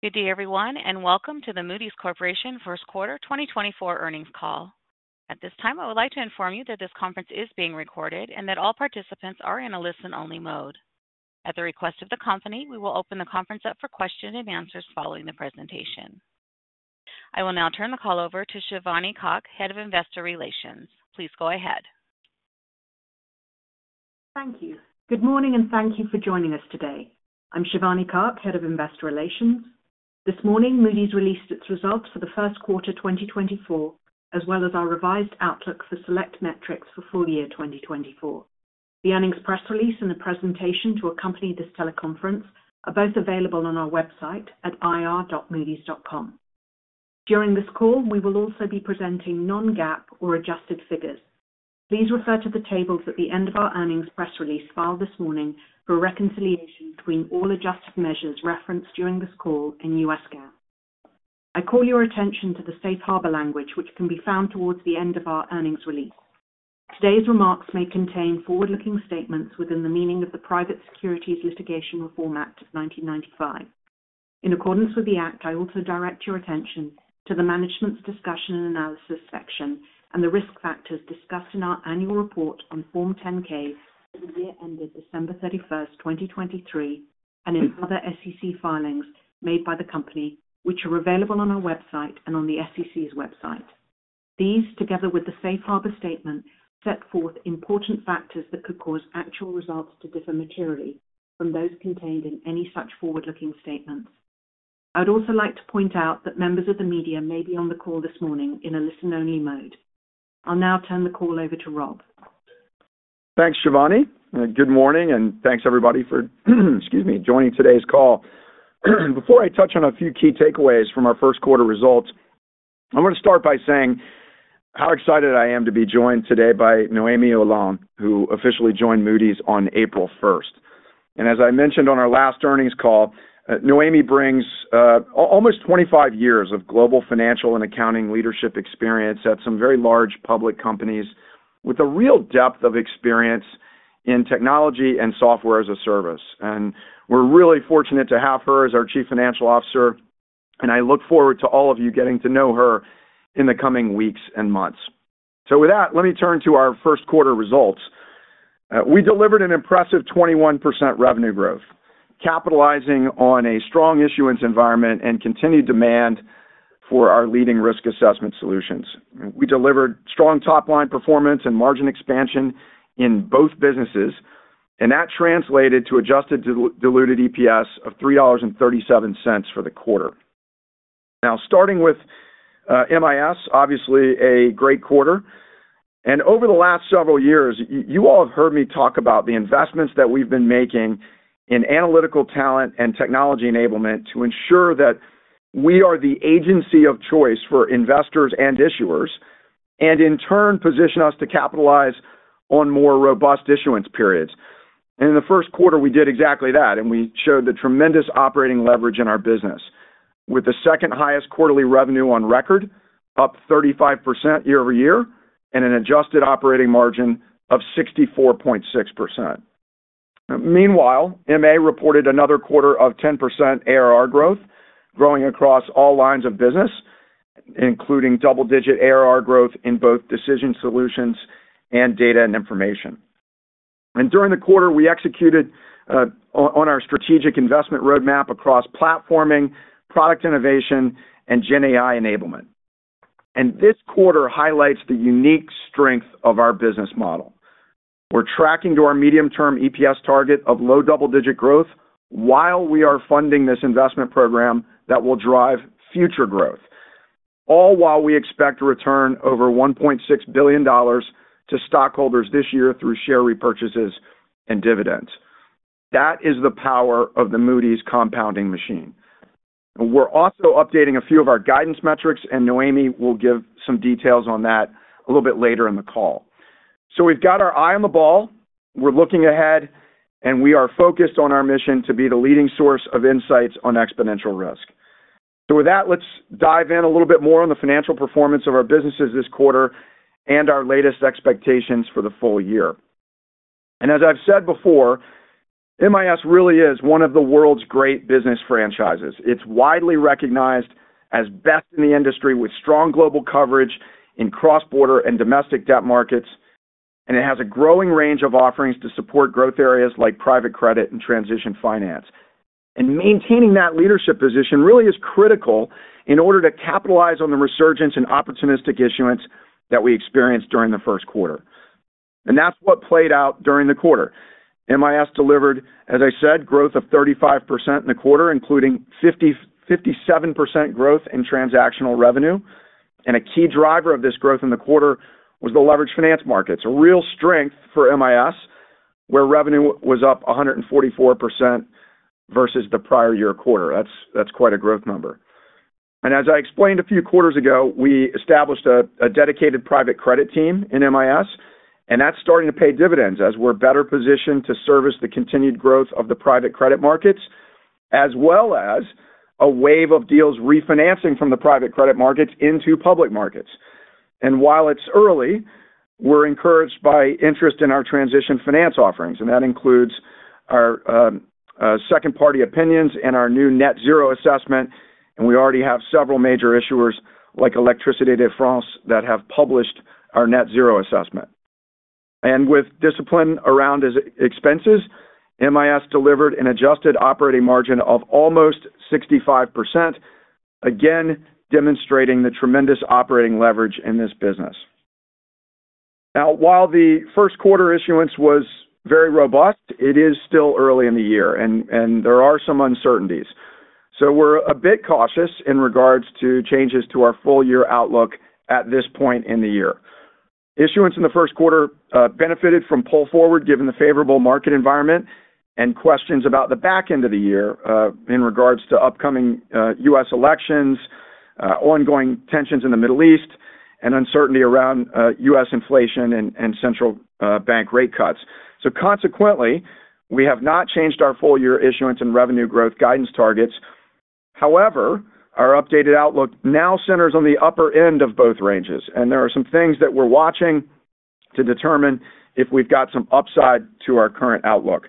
Good day, everyone, and welcome to the Moody's Corporation 1Q 2024 earnings call. At this time, I would like to inform you that this conference is being recorded and that all participants are in a listen-only mode. At the request of the company, we will open the conference up for questions and answers following the presentation. I will now turn the call over to Shivani Kak, Head of Investor Relations. Please go ahead. Thank you. Good morning, and thank you for joining us today. I'm Shivani Kak, Head of Investor Relations. This morning, Moody's released its results for the 1Q 2024, as well as our revised outlook for select metrics for full year 2024. The earnings press release and the presentation to accompany this teleconference are both available on our website at ir.moodys.com. During this call, we will also be presenting non-GAAP or adjusted figures. Please refer to the tables at the end of our earnings press release filed this morning for reconciliation between all adjusted measures referenced during this call in U.S. GAAP. I call your attention to the Safe Harbor language, which can be found towards the end of our earnings release. Today's remarks may contain forward-looking statements within the meaning of the Private Securities Litigation Reform Act of 1995. In accordance with the Act, I also direct your attention to the Management's Discussion and Analysis section and the risk factors discussed in our annual report on Form 10-K for the year ended December 31, 2023, and in other SEC filings made by the company, which are available on our website and on the SEC's website. These, together with the Safe Harbor statement, set forth important factors that could cause actual results to differ materially from those contained in any such forward-looking statements. I'd also like to point out that members of the media may be on the call this morning in a listen-only mode. I'll now turn the call over to Rob. Thanks, Shivani. Good morning, and thanks, everybody, for, excuse me, joining today's call. Before I touch on a few key takeaways from our 1Q results, I'm gonna start by saying how excited I am to be joined today by Noémie Heuland, who officially joined Moody's on April first. And as I mentioned on our last earnings call, Noémie brings almost 25 years of global financial and accounting leadership experience at some very large public companies, with a real depth of experience in technology and software as a service. And we're really fortunate to have her as our Chief Financial Officer, and I look forward to all of you getting to know her in the coming weeks and months. So with that, let me turn to our 1Q results. We delivered an impressive 21% revenue growth, capitalizing on a strong issuance environment and continued demand for our leading risk assessment solutions. We delivered strong top-line performance and margin expansion in both businesses, and that translated to adjusted diluted EPS of $3.37 for the quarter. Now, starting with MIS, obviously a great quarter. And over the last several years, you all have heard me talk about the investments that we've been making in analytical talent and technology enablement to ensure that we are the agency of choice for investors and issuers, and in turn, position us to capitalize on more robust issuance periods. And in the 1Q, we did exactly that, and we showed the tremendous operating leverage in our business, with the second highest quarterly revenue on record, up 35% year over year, and an adjusted operating margin of 64.6%. Meanwhile, MA reported another quarter of 10% ARR growth, growing across all lines of business, including double-digit ARR growth in both Decision Solutions and Data and Information. And during the quarter, we executed on our strategic investment roadmap across platforming, product innovation, and GenAI enablement. And this quarter highlights the unique strength of our business model. We're tracking to our medium-term EPS target of low double-digit growth while we are funding this investment program that will drive future growth, all while we expect to return over $1.6 billion to stockholders this year through share repurchases and dividends. That is the power of the Moody's compounding machine. We're also updating a few of our guidance metrics, and Noémie will give some details on that a little bit later in the call. We've got our eye on the ball, we're looking ahead, and we are focused on our mission to be the leading source of insights on exponential risk. With that, let's dive in a little bit more on the financial performance of our businesses this quarter and our latest expectations for the full year. As I've said before, MIS really is one of the world's great business franchises. It's widely recognized as best in the industry, with strong global coverage in cross-border and domestic debt markets, and it has a growing range of offerings to support growth areas like private credit and transition finance. Maintaining that leadership position really is critical in order to capitalize on the resurgence in opportunistic issuance that we experienced during the 1Q. That's what played out during the quarter. MIS delivered, as I said, growth of 35% in the quarter, including 57% growth in transactional revenue. A key driver of this growth in the quarter was the leveraged finance markets, a real strength for MIS, where revenue was up 144% versus the prior year quarter. That's quite a growth number. As I explained a few quarters ago, we established a dedicated private credit team in MIS, and that's starting to pay dividends as we're better positioned to service the continued growth of the private credit markets, as well as a wave of deals refinancing from the private credit markets into public markets. While it's early, we're encouraged by interest in our transition finance offerings, and that includes our second-party opinions and our new Net Zero Assessment, and we already have several major issuers, like Électricité de France, that have published our Net Zero Assessment. And with discipline around expenses, MIS delivered an adjusted operating margin of almost 65%, again, demonstrating the tremendous operating leverage in this business. Now, while the 1Q issuance was very robust, it is still early in the year, and there are some uncertainties. So we're a bit cautious in regards to changes to our full year outlook at this point in the year. Issuance in the 1Q benefited from pull forward, given the favorable market environment and questions about the back end of the year in regards to upcoming US elections, ongoing tensions in the Middle East, and uncertainty around US inflation and central bank rate cuts. Consequently, we have not changed our full year issuance and revenue growth guidance targets. However, our updated outlook now centers on the upper end of both ranges, and there are some things that we're watching to determine if we've got some upside to our current outlook.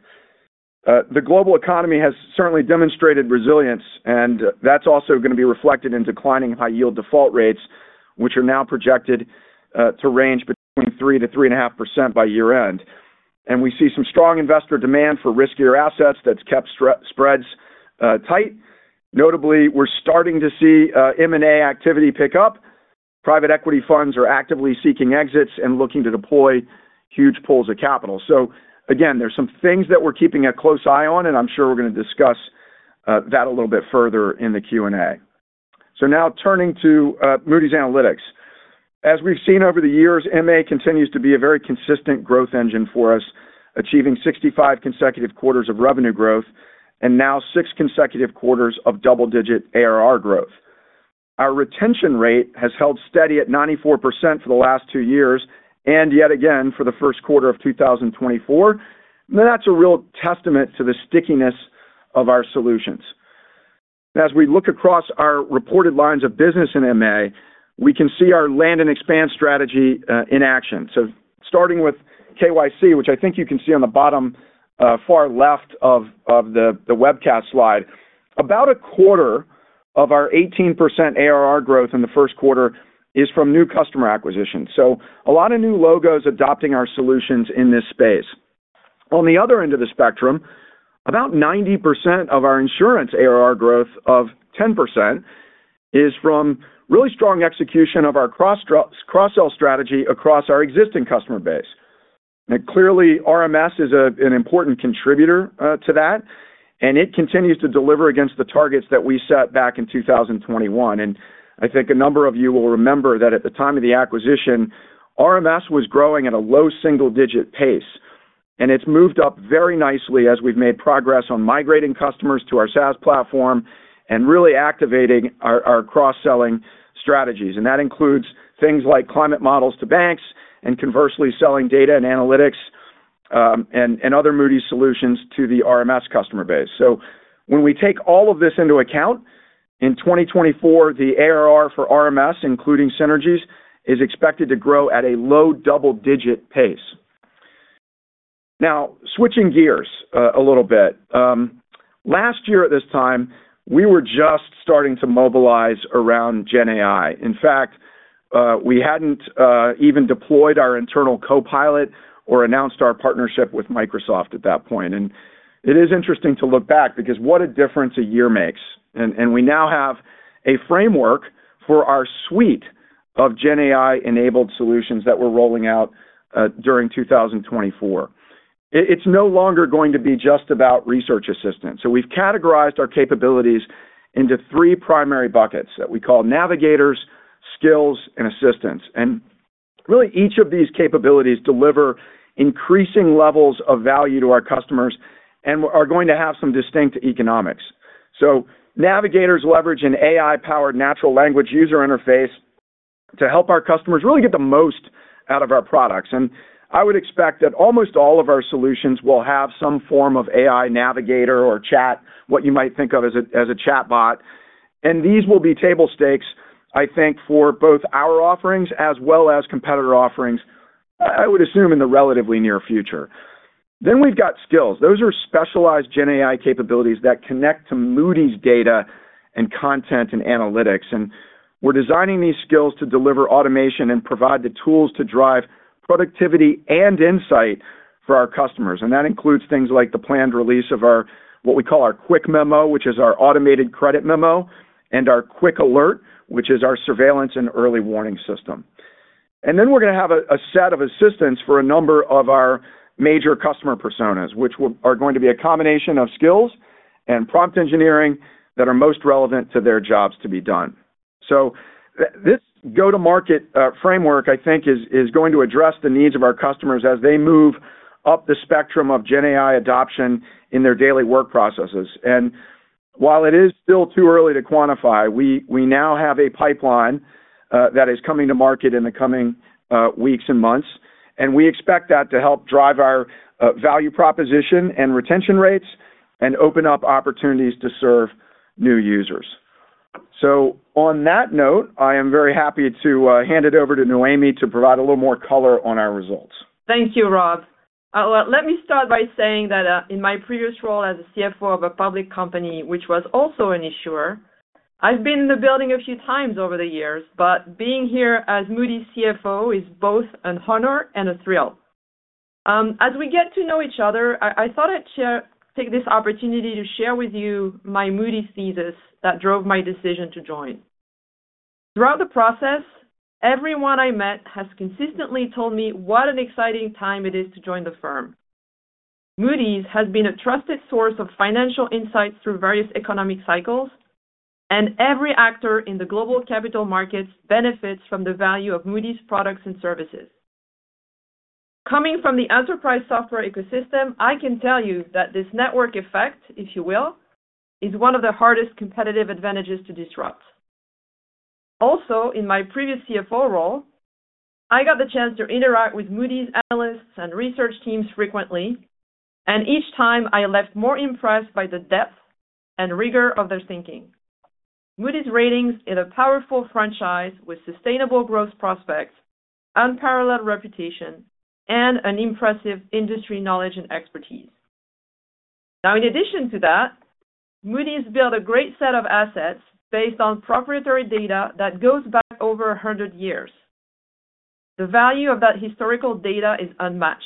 The global economy has certainly demonstrated resilience, and that's also gonna be reflected in declining high yield default rates, which are now projected to range between 3%-3.5% by year-end. We see some strong investor demand for riskier assets that's kept spreads tight. Notably, we're starting to see M&A activity pick up. Private equity funds are actively seeking exits and looking to deploy huge pools of capital. So again, there's some things that we're keeping a close eye on, and I'm sure we're gonna discuss that a little bit further in the Q&A. Now turning to Moody's Analytics. As we've seen over the years, MA continues to be a very consistent growth engine for us, achieving 65 consecutive quarters of revenue growth and now 6 consecutive quarters of double-digit ARR growth. Our retention rate has held steady at 94% for the last 2 years, and yet again for the 1Q of 2024. Now, that's a real testament to the stickiness of our solutions. As we look across our reported lines of business in MA, we can see our land and expand strategy in action. So starting with KYC, which I think you can see on the bottom far left of the webcast slide, about a quarter of our 18% ARR growth in the 1Q is from new customer acquisition, so a lot of new logos adopting our solutions in this space. On the other end of the spectrum, about 90% of our insurance ARR growth of 10% is from really strong execution of our cross-sell strategy across our existing customer base. Clearly, RMS is an important contributor to that, and it continues to deliver against the targets that we set back in 2021. I think a number of you will remember that at the time of the acquisition, RMS was growing at a low single-digit pace, and it's moved up very nicely as we've made progress on migrating customers to our SaaS platform and really activating our cross-selling strategies. And that includes things like climate models to banks and, conversely, selling data and analytics and other Moody's solutions to the RMS customer base. So when we take all of this into account, in 2024, the ARR for RMS, including synergies, is expected to grow at a low double-digit pace. Now, switching gears a little bit. Last year at this time, we were just starting to mobilize around Gen AI. In fact, we hadn't even deployed our internal copilot or announced our partnership with Microsoft at that point. And it is interesting to look back because what a difference a year makes. And we now have a framework for our suite of GenAI-enabled solutions that we're rolling out during 2024. It's no longer going to be just about research assistance. So we've categorized our capabilities into three primary buckets that we call Navigators, Skills, and Assistants. And really, each of these capabilities deliver increasing levels of value to our customers and are going to have some distinct economics. So Navigators leverage an AI-powered natural language user interface to help our customers really get the most out of our products. And I would expect that almost all of our solutions will have some form of AI navigator or chat, what you might think of as a chatbot. And these will be table stakes, I think, for both our offerings as well as competitor offerings, I would assume, in the relatively near future. Then we've got skills. Those are specialized Gen AI capabilities that connect to Moody's data and content and analytics. And we're designing these skills to deliver automation and provide the tools to drive productivity and insight for our customers. And that includes things like the planned release of our, what we call our Quick Memo, which is our automated credit memo, and our Quick Alert, which is our surveillance and early warning system. And then we're gonna have a set of assistants for a number of our major customer personas, which are going to be a combination of skills and prompt engineering that are most relevant to their jobs to be done. So this go-to-market framework, I think, is going to address the needs of our customers as they move up the spectrum of Gen AI adoption in their daily work processes. And while it is still too early to quantify, we now have a pipeline that is coming to market in the coming weeks and months, and we expect that to help drive our value proposition and retention rates... and open up opportunities to serve new users. So on that note, I am very happy to hand it over to Noémie to provide a little more color on our results. Thank you, Rob. Let me start by saying that, in my previous role as a CFO of a public company, which was also an issuer, I've been in the building a few times over the years, but being here as Moody's CFO is both an honor and a thrill. As we get to know each other, I thought I'd share, take this opportunity to share with you my Moody's thesis that drove my decision to join. Throughout the process, everyone I met has consistently told me what an exciting time it is to join the firm. Moody's has been a trusted source of financial insights through various economic cycles, and every actor in the global capital markets benefits from the value of Moody's products and services. Coming from the enterprise software ecosystem, I can tell you that this network effect, if you will, is one of the hardest competitive advantages to disrupt. Also, in my previous CFO role, I got the chance to interact with Moody's analysts and research teams frequently, and each time I left more impressed by the depth and rigor of their thinking. Moody's Ratings is a powerful franchise with sustainable growth prospects, unparalleled reputation, and an impressive industry knowledge and expertise. Now, in addition to that, Moody's built a great set of assets based on proprietary data that goes back over a hundred years. The value of that historical data is unmatched,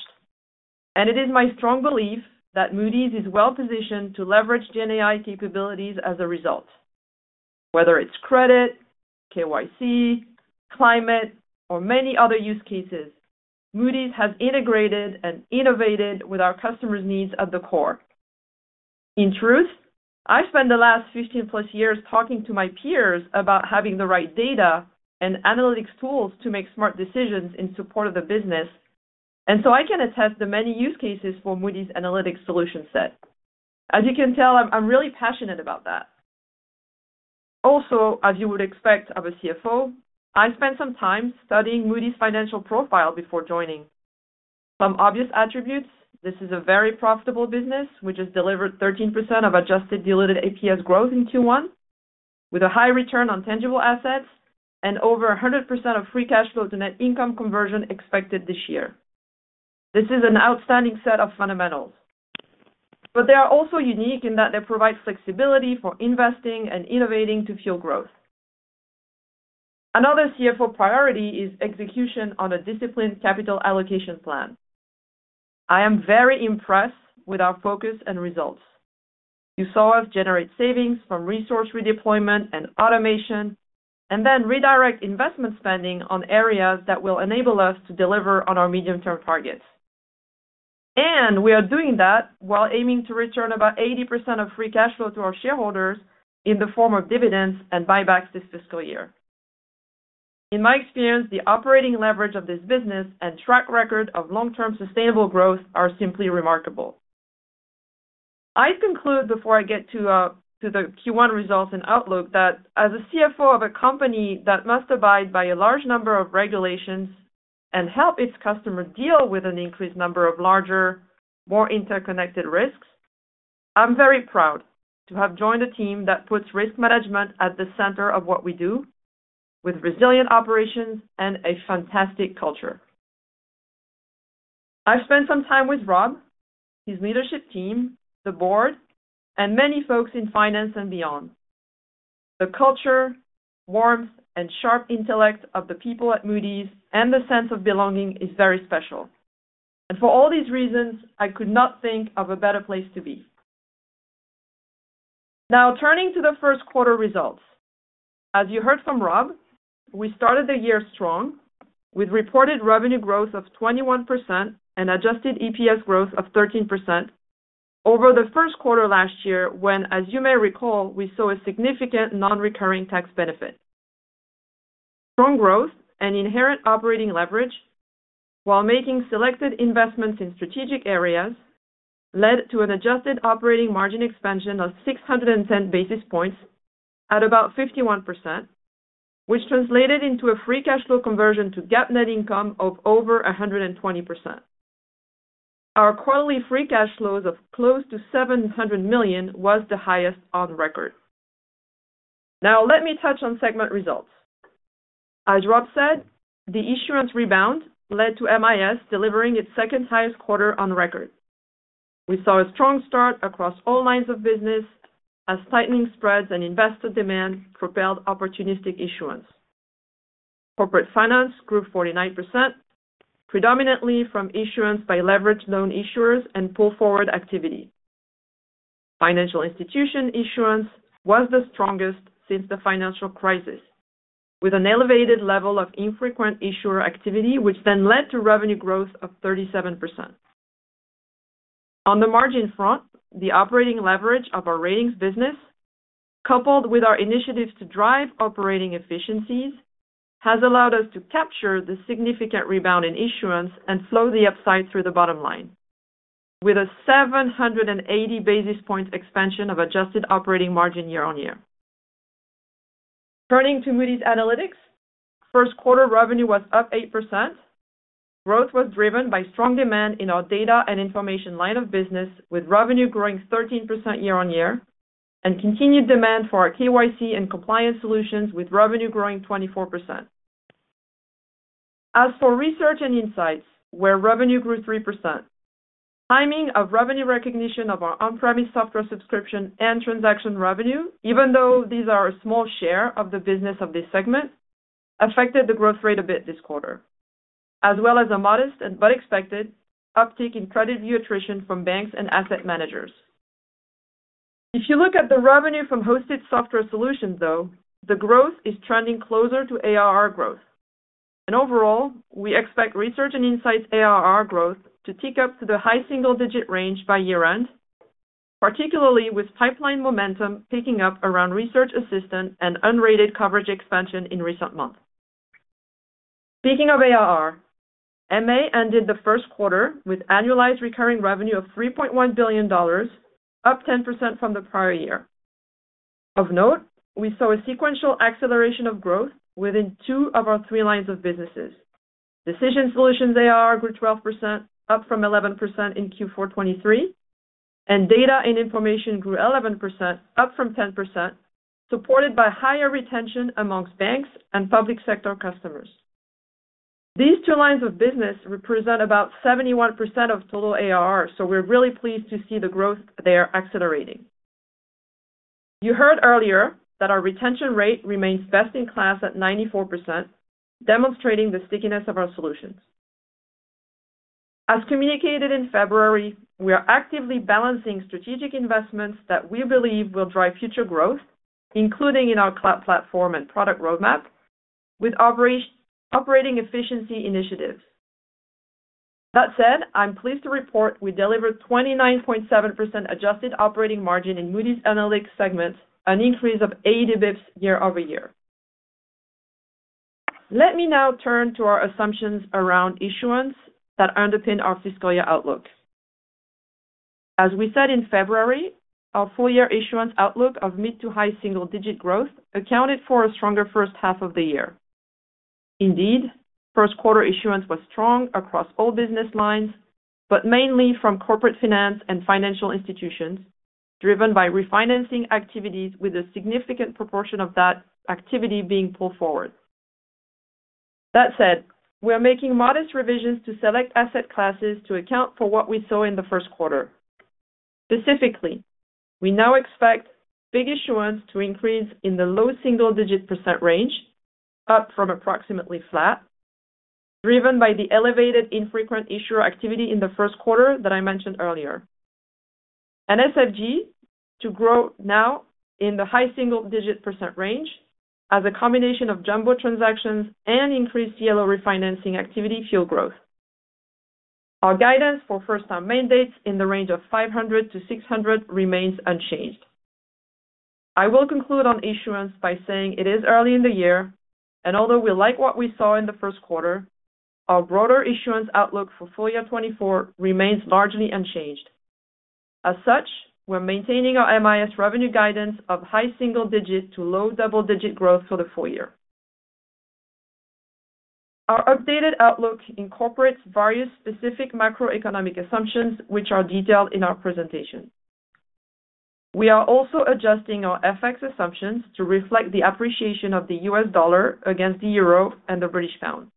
and it is my strong belief that Moody's is well positioned to leverage GenAI capabilities as a result. Whether it's credit, KYC, climate, or many other use cases, Moody's have integrated and innovated with our customers' needs at the core. In truth, I spent the last 15+ years talking to my peers about having the right data and analytics tools to make smart decisions in support of the business, and so I can attest the many use cases for Moody's Analytics solution set. As you can tell, I'm, I'm really passionate about that. Also, as you would expect of a CFO, I spent some time studying Moody's financial profile before joining. Some obvious attributes, this is a very profitable business, which has delivered 13% of adjusted diluted EPS growth in Q1, with a high return on tangible assets and over 100% of free cash flow to net income conversion expected this year. This is an outstanding set of fundamentals, but they are also unique in that they provide flexibility for investing and innovating to fuel growth. Another CFO priority is execution on a disciplined capital allocation plan. I am very impressed with our focus and results. You saw us generate savings from resource redeployment and automation, and then redirect investment spending on areas that will enable us to deliver on our medium-term targets. We are doing that while aiming to return about 80% of free cash flow to our shareholders in the form of dividends and buybacks this fiscal year. In my experience, the operating leverage of this business and track record of long-term sustainable growth are simply remarkable. I conclude, before I get to the Q1 results and outlook, that as a CFO of a company that must abide by a large number of regulations and help its customers deal with an increased number of larger, more interconnected risks, I'm very proud to have joined a team that puts risk management at the center of what we do, with resilient operations and a fantastic culture. I've spent some time with Rob, his leadership team, the board, and many folks in finance and beyond. The culture, warmth, and sharp intellect of the people at Moody's, and the sense of belonging is very special. For all these reasons, I could not think of a better place to be. Now, turning to the 1Q results. As you heard from Rob, we started the year strong, with reported revenue growth of 21% and adjusted EPS growth of 13% over the 1Q last year, when, as you may recall, we saw a significant non-recurring tax benefit. Strong growth and inherent operating leverage, while making selected investments in strategic areas, led to an adjusted operating margin expansion of 610 basis points at about 51%, which translated into a free cash flow conversion to GAAP net income of over 120%. Our quarterly free cash flows of close to $700 million was the highest on record. Now, let me touch on segment results. As Rob said, the issuance rebound led to MIS delivering its second-highest quarter on record. We saw a strong start across all lines of business as tightening spreads and investor demand propelled opportunistic issuance. Corporate finance grew 49%, predominantly from issuance by leveraged loan issuers and pull forward activity. Financial institution issuance was the strongest since the financial crisis, with an elevated level of infrequent issuer activity, which then led to revenue growth of 37%. On the margin front, the operating leverage of our ratings business, coupled with our initiatives to drive operating efficiencies, has allowed us to capture the significant rebound in issuance and flow the upside through the bottom line, with a 780 basis points expansion of adjusted operating margin year-on-year. Turning to Moody's Analytics, 1Q revenue was up 8%. Growth was driven by strong demand in our data and information line of business, with revenue growing 13% year-on-year, and continued demand for our KYC and compliance solutions, with revenue growing 24%. As for Research and Insights, where revenue grew 3%, timing of revenue recognition of our on-premise software subscription and transaction revenue, even though these are a small share of the business of this segment, affected the growth rate a bit this quarter, as well as a modest but expected uptick in CreditView attrition from banks and asset managers. If you look at the revenue from hosted software solutions, though, the growth is trending closer to ARR growth. Overall, we expect Research and Insights ARR growth to tick up to the high single-digit range by year-end, particularly with pipeline momentum picking up around Research Assistant and unrated coverage expansion in recent months. Speaking of ARR, MA ended the 1Q with annualized recurring revenue of $3.1 billion, up 10% from the prior year. Of note, we saw a sequential acceleration of growth within two of our three lines of businesses. Decision Solutions ARR grew 12%, up from 11% in Q4 2023, and Data and Information grew 11%, up from 10%, supported by higher retention among banks and public sector customers. These two lines of business represent about 71% of total ARR, so we're really pleased to see the growth there accelerating. You heard earlier that our retention rate remains best in class at 94%, demonstrating the stickiness of our solutions. As communicated in February, we are actively balancing strategic investments that we believe will drive future growth, including in our cloud platform and product roadmap, with operating efficiency initiatives. That said, I'm pleased to report we delivered 29.7% adjusted operating margin in Moody's Analytics segments, an increase of 80 basis points year-over-year. Let me now turn to our assumptions around issuance that underpin our fiscal year outlook. As we said in February, our full-year issuance outlook of mid- to high-single-digit growth accounted for a stronger H1 of the year. Indeed, 1Q issuance was strong across all business lines, but mainly from corporate finance and financial institutions, driven by refinancing activities with a significant proportion of that activity being pulled forward. That said, we are making modest revisions to select asset classes to account for what we saw in the 1Q. Specifically, we now expect FIG issuance to increase in the low-single-digit % range, up from approximately flat, driven by the elevated infrequent issuer activity in the 1Q that I mentioned earlier. SFG to grow now in the high-single-digit % range as a combination of jumbo transactions and increased CLO refinancing activity fuel growth. Our guidance for first-time mandates in the range of 500-600 remains unchanged. I will conclude on issuance by saying it is early in the year, and although we like what we saw in the 1Q, our broader issuance outlook for full year 2024 remains largely unchanged. As such, we're maintaining our MIS revenue guidance of high single-digit to low double-digit growth for the full year. Our updated outlook incorporates various specific macroeconomic assumptions, which are detailed in our presentation. We are also adjusting our FX assumptions to reflect the appreciation of the U.S. dollar against the euro and the British pound.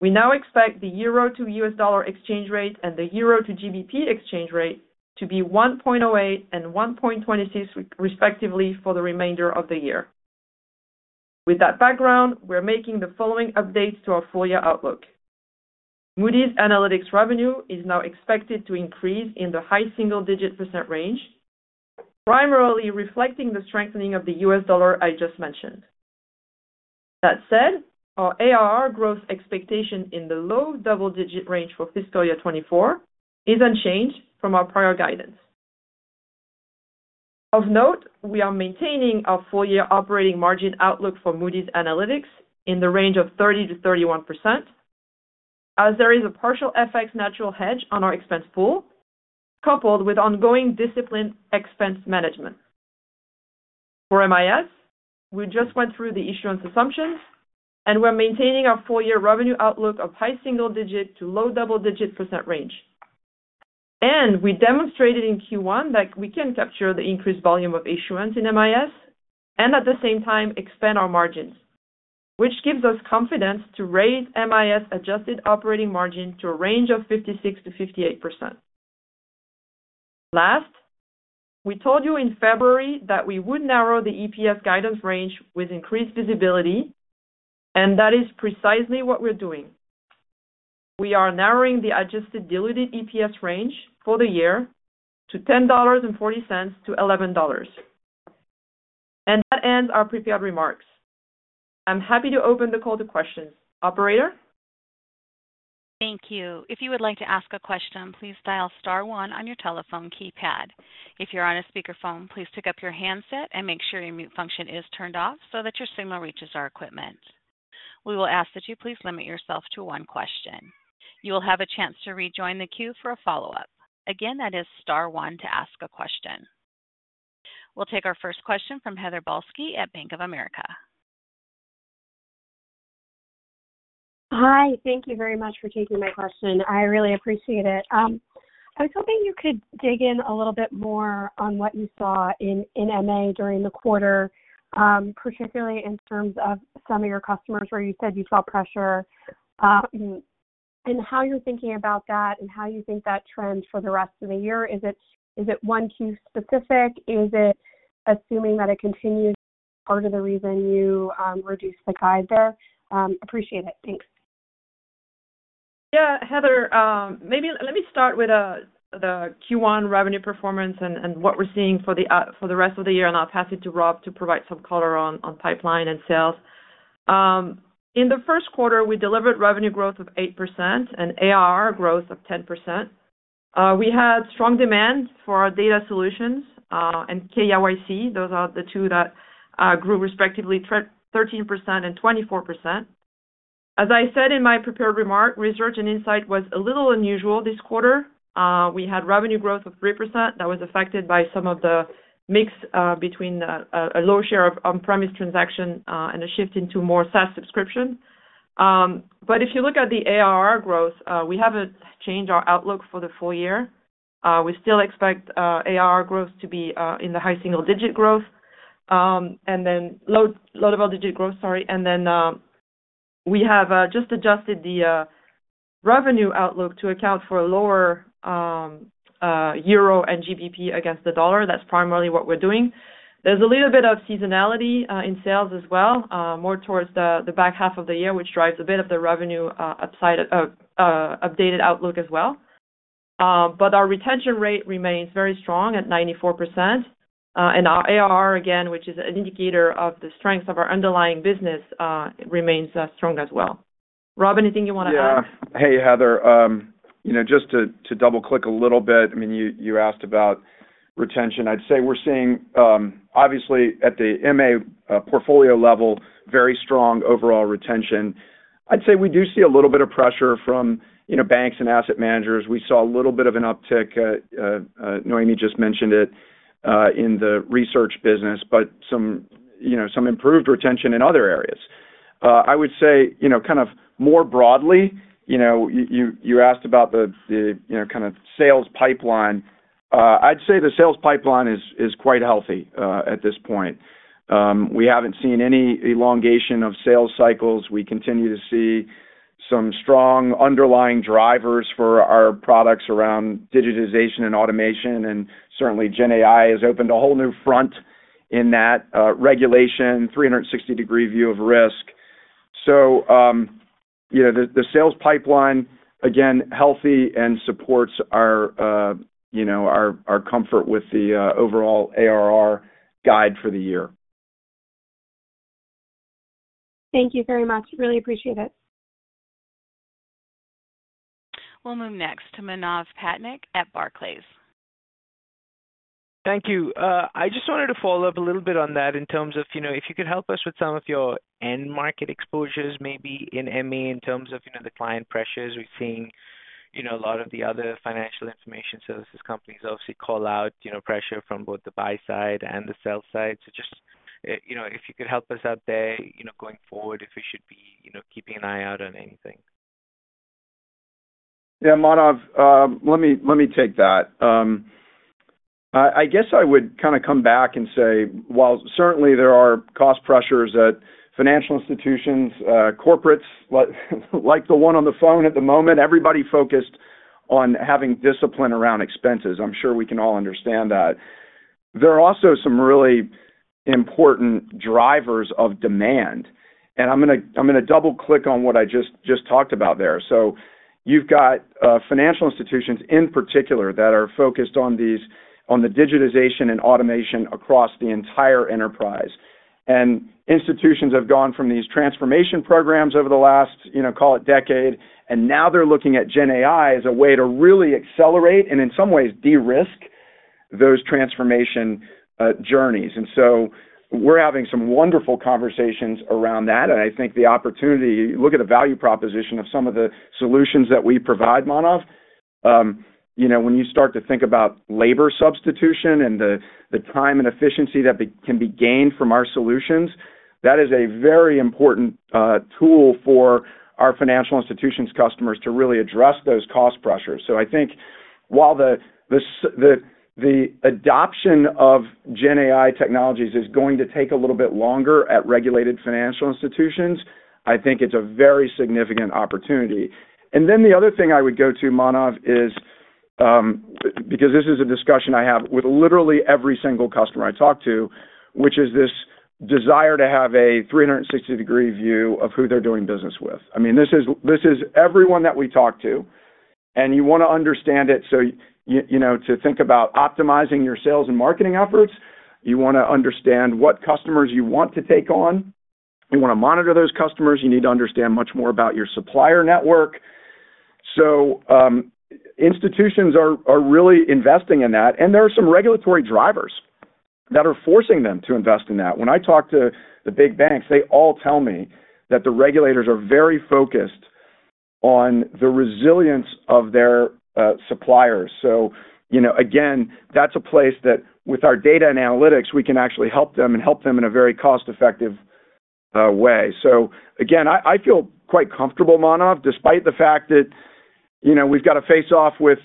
We now expect the euro to U.S. dollar exchange rate and the euro to GBP exchange rate to be 1.08 and 1.26, respectively, for the remainder of the year. With that background, we're making the following updates to our full year outlook. Moody's Analytics revenue is now expected to increase in the high single-digit % range, primarily reflecting the strengthening of the U.S. dollar I just mentioned. That said, our ARR growth expectation in the low double-digit range for fiscal year 2024 is unchanged from our prior guidance. Of note, we are maintaining our full-year operating margin outlook for Moody's Analytics in the range of 30%-31%, as there is a partial FX natural hedge on our expense pool, coupled with ongoing disciplined expense management. For MIS, we just went through the issuance assumptions, and we're maintaining our full-year revenue outlook of high single-digit to low double-digit % range. We demonstrated in Q1 that we can capture the increased volume of issuance in MIS, and at the same time expand our margins, which gives us confidence to raise MIS adjusted operating margin to a range of 56%-58%. Last, we told you in February that we would narrow the EPS guidance range with increased visibility, and that is precisely what we're doing. We are narrowing the adjusted diluted EPS range for the year to $10.40-$11. And that ends our prepared remarks. I'm happy to open the call to questions. Operator? Thank you. If you would like to ask a question, please dial star one on your telephone keypad. If you're on a speakerphone, please pick up your handset and make sure your mute function is turned off so that your signal reaches our equipment. We will ask that you please limit yourself to one question. You will have a chance to rejoin the queue for a follow-up. Again, that is star one to ask a question. We'll take our first question from Heather Balsky at Bank of America. Hi, thank you very much for taking my question. I really appreciate it. I was hoping you could dig in a little bit more on what you saw in MA during the quarter, particularly in terms of some of your customers, where you said you saw pressure, and how you're thinking about that and how you think that trends for the rest of the year. Is it one Q specific? Is it assuming that it continues, part of the reason you reduced the guide there? Appreciate it. Thanks. Yeah, Heather, maybe let me start with the Q1 revenue performance and what we're seeing for the rest of the year, and I'll pass it to Rob to provide some color on pipeline and sales. In the 1Q, we delivered revenue growth of 8% and ARR growth of 10%. We had strong demand for our data solutions and KYC. Those are the two that grew respectively, 13% and 24%. As I said in my prepared remarks, research and insight was a little unusual this quarter. We had revenue growth of 3%. That was affected by some of the mix between a low share of on-premise transaction and a shift into more SaaS subscription. But if you look at the ARR growth, we haven't changed our outlook for the full year. We still expect ARR growth to be in the high single digit growth and then low, low double digit growth, sorry. And then we have just adjusted the revenue outlook to account for a lower euro and GBP against the dollar. That's primarily what we're doing. There's a little bit of seasonality in sales as well, more towards the, the back half of the year, which drives a bit of the revenue upside updated outlook as well. But our retention rate remains very strong at 94%. And our ARR, again, which is an indicator of the strength of our underlying business, remains strong as well. Rob, anything you want to add? Yeah. Hey, Heather, you know, just to double-click a little bit, I mean, you asked about retention. I'd say we're seeing, obviously at the MA, portfolio level, very strong overall retention. I'd say we do see a little bit of pressure from, you know, banks and asset managers. We saw a little bit of an uptick, Noémie just mentioned it, in the research business, but some, you know, some improved retention in other areas. I would say, you know, kind of more broadly, you know, you asked about the, you know, kind of sales pipeline. I'd say the sales pipeline is quite healthy, at this point. We haven't seen any elongation of sales cycles. We continue to see some strong underlying drivers for our products around digitization and automation, and certainly GenAI has opened a whole new front in that, regulation, 360-degree view of risk. So, you know, the sales pipeline, again, healthy and supports our, you know, our comfort with the overall ARR guide for the year. Thank you very much. Really appreciate it. We'll move next to Manav Patnaik at Barclays. Thank you. I just wanted to follow up a little bit on that in terms of, you know, if you could help us with some of your end market exposures, maybe in MA in terms of, you know, the client pressures. We've seen, you know, a lot of the other financial information services companies obviously call out, you know, pressure from both the buy side and the sell side. So just, you know, if you could help us out there, you know, going forward, if we should be, you know, keeping an eye out on anything. Yeah, Manav, let me take that. I guess I would kind of come back and say, while certainly there are cost pressures at financial institutions, corporates, like the one on the phone at the moment, everybody focused on having discipline around expenses. I'm sure we can all understand that. There are also some really important drivers of demand, and I'm gonna double-click on what I just talked about there. So you've got, financial institutions in particular that are focused on these, on the digitization and automation across the entire enterprise. And institutions have gone from these transformation programs over the last, you know, call it decade, and now they're looking at GenAI as a way to really accelerate and in some ways, de-risk those transformation journeys. And so we're having some wonderful conversations around that, and I think the opportunity... Look at the value proposition of some of the solutions that we provide, Manav. You know, when you start to think about labor substitution and the time and efficiency that can be gained from our solutions, that is a very important tool for our financial institutions customers to really address those cost pressures. So I think while the adoption of GenAI technologies is going to take a little bit longer at regulated financial institutions, I think it's a very significant opportunity. And then the other thing I would go to, Manav, is because this is a discussion I have with literally every single customer I talk to, which is this desire to have a 360-degree view of who they're doing business with. I mean, this is everyone that we talk to, and you want to understand it so you know, to think about optimizing your sales and marketing efforts, you want to understand what customers you want to take on. You want to monitor those customers. You need to understand much more about your supplier network. So, institutions are really investing in that, and there are some regulatory drivers that are forcing them to invest in that. When I talk to the big banks, they all tell me that the regulators are very focused on the resilience of their suppliers. So you know, again, that's a place that with our data and analytics, we can actually help them and help them in a very cost-effective way. So again, I, I feel quite comfortable, Manav, despite the fact that, you know, we've got to face off with,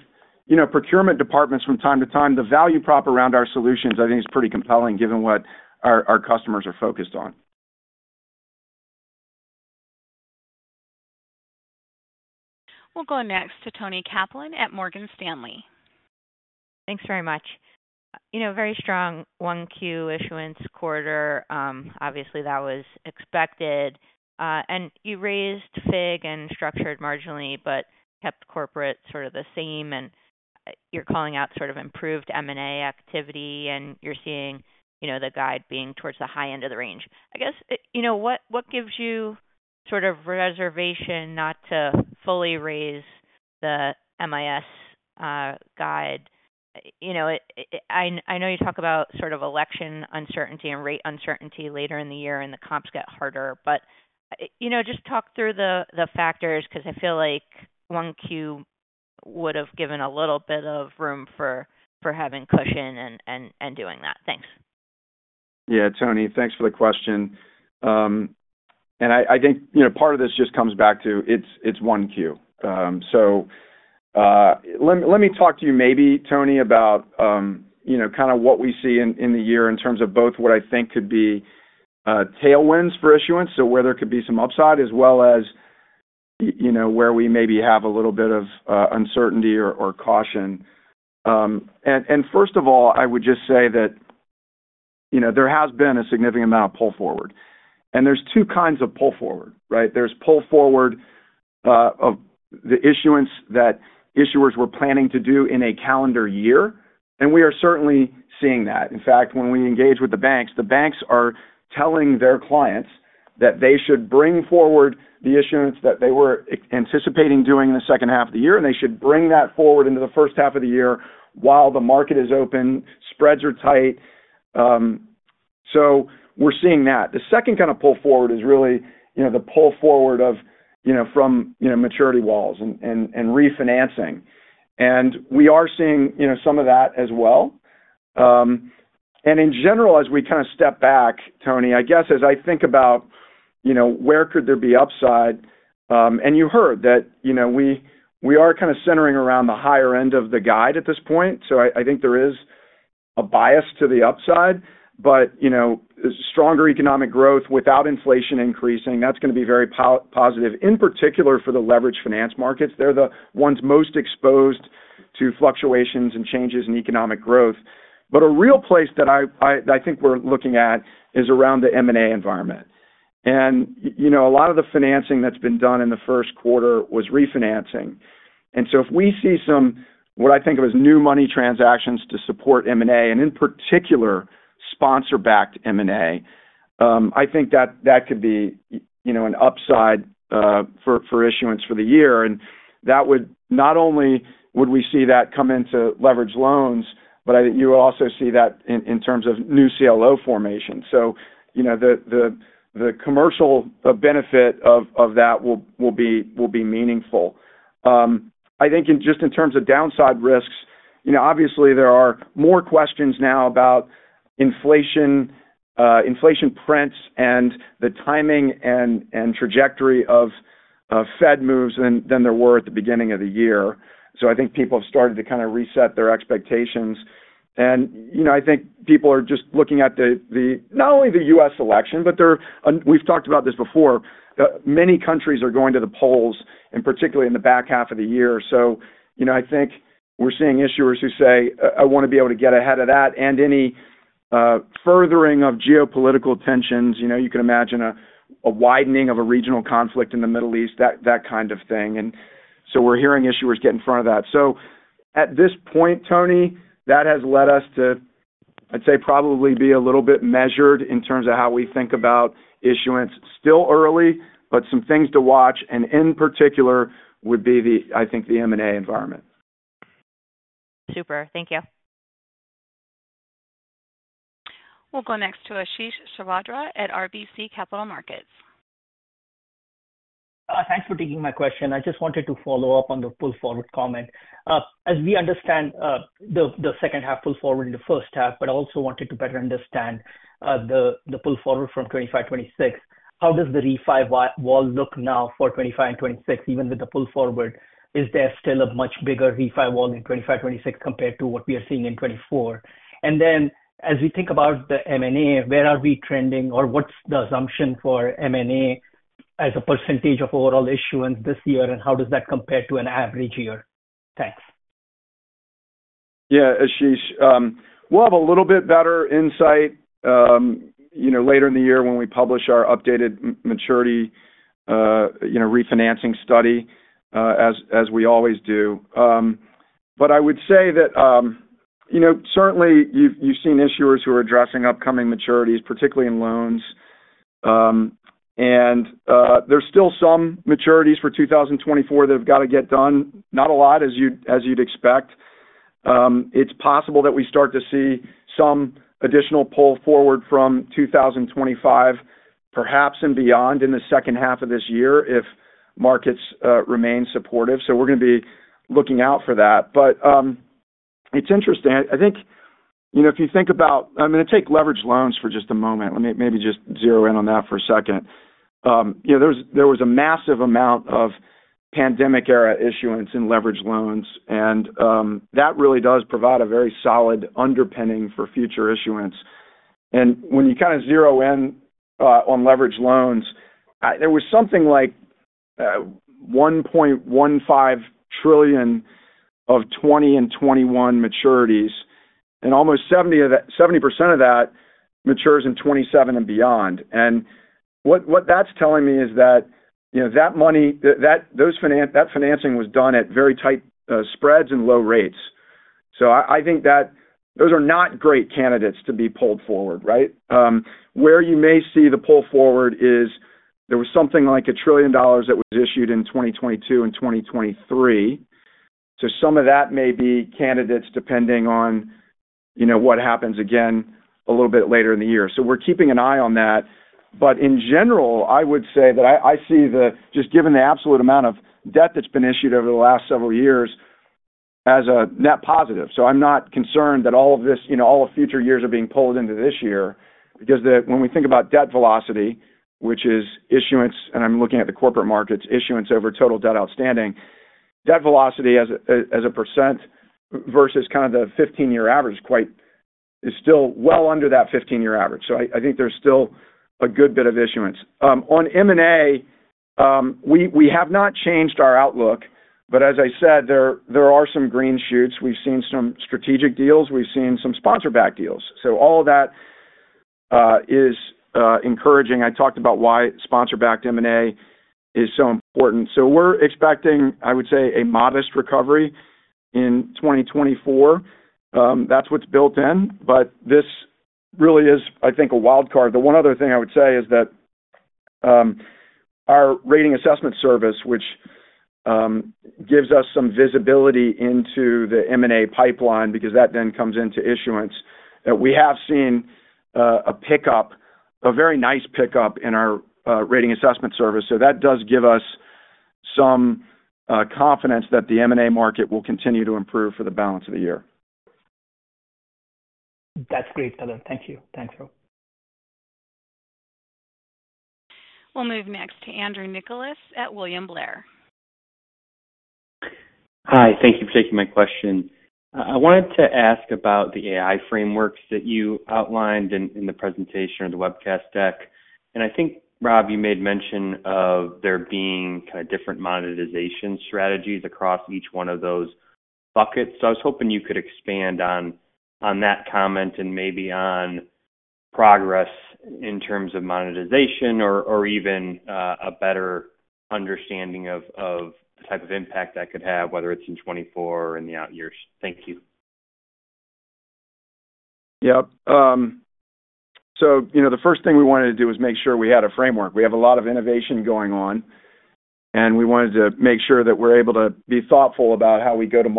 you know, procurement departments from time to time. The value prop around our solutions, I think, is pretty compelling given what our, our customers are focused on. We'll go next to Toni Kaplan at Morgan Stanley. Thanks very much. You know, very strong 1Q issuance quarter. Obviously, that was expected. And you raised FIG and structured marginally, but kept corporate sort of the same, and you're calling out sort of improved M&A activity, and you're seeing, you know, the guide being towards the high end of the range. I guess, you know, what, what gives you sort of reservation not to fully raise the MIS guide? You know, I know you talk about sort of election uncertainty and rate uncertainty later in the year, and the comps get harder. But, you know, just talk through the, the factors, 'cause I feel like 1Q would have given a little bit of room for, for having cushion and, and doing that. Thanks. Yeah, Toni, thanks for the question. And I think, you know, part of this just comes back to it's one Q. Let me talk to you maybe, Toni, about, you know, kind of what we see in the year in terms of both what I think could be tailwinds for issuance, so where there could be some upside, as well as, you know, where we maybe have a little bit of uncertainty or caution. And first of all, I would just say that, you know, there has been a significant amount of pull forward. And there's two kinds of pull forward, right? There's pull forward of the issuance that issuers were planning to do in a calendar year, and we are certainly seeing that. In fact, when we engage with the banks, the banks are telling their clients that they should bring forward the issuance that they were anticipating doing in the H2 of the year, and they should bring that forward into the H1 of the year while the market is open, spreads are tight. So we're seeing that. The second kind of pull forward is really, you know, the pull forward of, you know, from, you know, maturity walls and refinancing. We are seeing, you know, some of that as well. In general, as we kind of step back, Toni, I guess as I think about, you know, where could there be upside? And you heard that, you know, we are kind of centering around the higher end of the guide at this point, so I think there is a bias to the upside. But, you know, stronger economic growth without inflation increasing, that's gonna be very positive, in particular for the leveraged finance markets. They're the ones most exposed to fluctuations and changes in economic growth. But a real place that I think we're looking at is around the M&A environment. And, you know, a lot of the financing that's been done in the 1Q was refinancing. And so if we see some, what I think of as new money transactions to support M&A, and in particular, sponsor-backed M&A, I think that could be, you know, an upside for issuance for the year. And that would... Not only would we see that come into leveraged loans, but I think you would also see that in terms of new CLO formation. So, you know, the commercial benefit of that will be meaningful. I think in terms of downside risks, you know, obviously there are more questions now about inflation, inflation prints and the timing and trajectory of Fed moves than there were at the beginning of the year. So I think people have started to kind of reset their expectations. And, you know, I think people are just looking at the not only the U.S. election, but We've talked about this before. Many countries are going to the polls, and particularly in the back half of the year. So, you know, I think we're seeing issuers who say, "I want to be able to get ahead of that," and any furthering of geopolitical tensions, you know, you can imagine a widening of a regional conflict in the Middle East, that kind of thing. And so we're hearing issuers get in front of that. So at this point, Toni, that has led us to, I'd say, probably be a little bit measured in terms of how we think about issuance. Still early, but some things to watch, and in particular, would be the, I think, the M&A environment. Super. Thank you. We'll go next to Ashish Sabadra at RBC Capital Markets. Thanks for taking my question. I just wanted to follow up on the pull forward comment. As we understand, the H2 pull forward in the H1, but I also wanted to better understand, the pull forward from 2025, 2026. How does the refi wall look now for 2025 and 2026, even with the pull forward? Is there still a much bigger refi wall in 2025, 2026 compared to what we are seeing in 2024? And then, as we think about the M&A, where are we trending or what's the assumption for M&A as a percentage of overall issuance this year, and how does that compare to an average year? Thanks. Yeah, Ashish, we'll have a little bit better insight, you know, later in the year when we publish our updated maturity, you know, refinancing study, as we always do. But I would say that, you know, certainly, you've seen issuers who are addressing upcoming maturities, particularly in loans. And there's still some maturities for 2024 that have got to get done. Not a lot, as you'd expect. It's possible that we start to see some additional pull forward from 2025, perhaps, and beyond, in the H2 of this year, if markets remain supportive. So we're gonna be looking out for that. But it's interesting. I think, you know, if you think about, I'm gonna take leveraged loans for just a moment. Let me maybe just zero in on that for a second. You know, there was a massive amount of pandemic-era issuance in leveraged loans, and that really does provide a very solid underpinning for future issuance. And when you kind of zero in on leveraged loans, there was something like $1.15 trillion of 2020 and 2021 maturities, and almost 70% of that matures in 2027 and beyond. And what that's telling me is that, you know, that money, that financing was done at very tight spreads and low rates. So I think that those are not great candidates to be pulled forward, right? Where you may see the pull forward is there was something like $1 trillion that was issued in 2022 and 2023. So some of that may be candidates, depending on, you know, what happens again a little bit later in the year. So we're keeping an eye on that. But in general, I would say that I, I see the... Just given the absolute amount of debt that's been issued over the last several years as a net positive. So I'm not concerned that all of this, you know, all of future years are being pulled into this year. Because the-- when we think about debt velocity, which is issuance, and I'm looking at the corporate markets, issuance over total debt outstanding, debt velocity as a, as, as a percent versus kind of the 15-year average, quite-- is still well under that 15-year average. So I, I think there's still a good bit of issuance. On M&A, we have not changed our outlook, but as I said, there are some green shoots. We've seen some strategic deals. We've seen some sponsor-backed deals. So all of that is encouraging. I talked about why sponsor-backed M&A is so important. So we're expecting, I would say, a modest recovery in 2024. That's what's built in, but this really is, I think, a wild card. The one other thing I would say is that ourRating Assessment Service, which gives us some visibility into the M&A pipeline, because that then comes into issuance, that we have seen a pickup, a very nice pickup in our Rating Assessment Service. So that does give us some confidence that the M&A market will continue to improve for the balance of the year. That's great. Thank you. Thanks, though. We'll move next to Andrew Nicholas at William Blair. Hi, thank you for taking my question. I wanted to ask about the AI frameworks that you outlined in, in the presentation or the webcast deck. And I think, Rob, you made mention of there being kind of different monetization strategies across each one of those buckets. So I was hoping you could expand on, on that comment and maybe on progress in terms of monetization or, or even, a better understanding of, of the type of impact that could have, whether it's in 2024 or in the out years. Thank you. Yep. So you know, the first thing we wanted to do was make sure we had a framework. We have a lot of innovation going on, and we wanted to make sure that we're able to be thoughtful about how we go to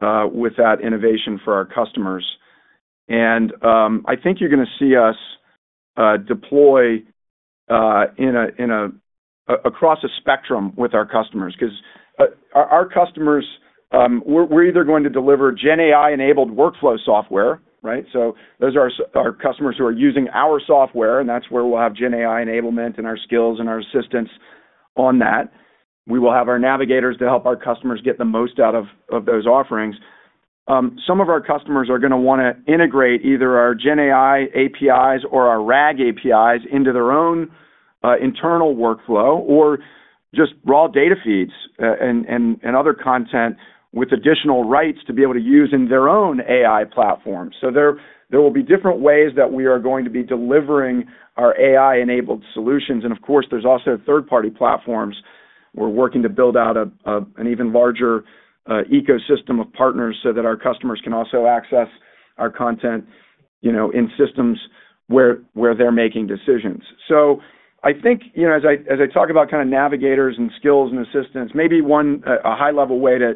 market with that innovation for our customers. And, I think you're gonna see us deploy across a spectrum with our customers. Because our customers, we're either going to deliver GenAI-enabled workflow software, right? So those are our customers who are using our software, and that's where we'll have GenAI enablement and our skills and our assistance on that. We will have our Navigators to help our customers get the most out of those offerings. Some of our customers are gonna wanna integrate either our Gen AI APIs or our RAG APIs into their own internal workflow, or just raw data feeds and other content with additional rights to be able to use in their own AI platform. So there will be different ways that we are going to be delivering our AI-enabled solutions. And of course, there's also third-party platforms. We're working to build out an even larger ecosystem of partners so that our customers can also access our content, you know, in systems where they're making decisions. So I think, you know, as I talk about kind of Navigators and skills and assistance, maybe a high-level way to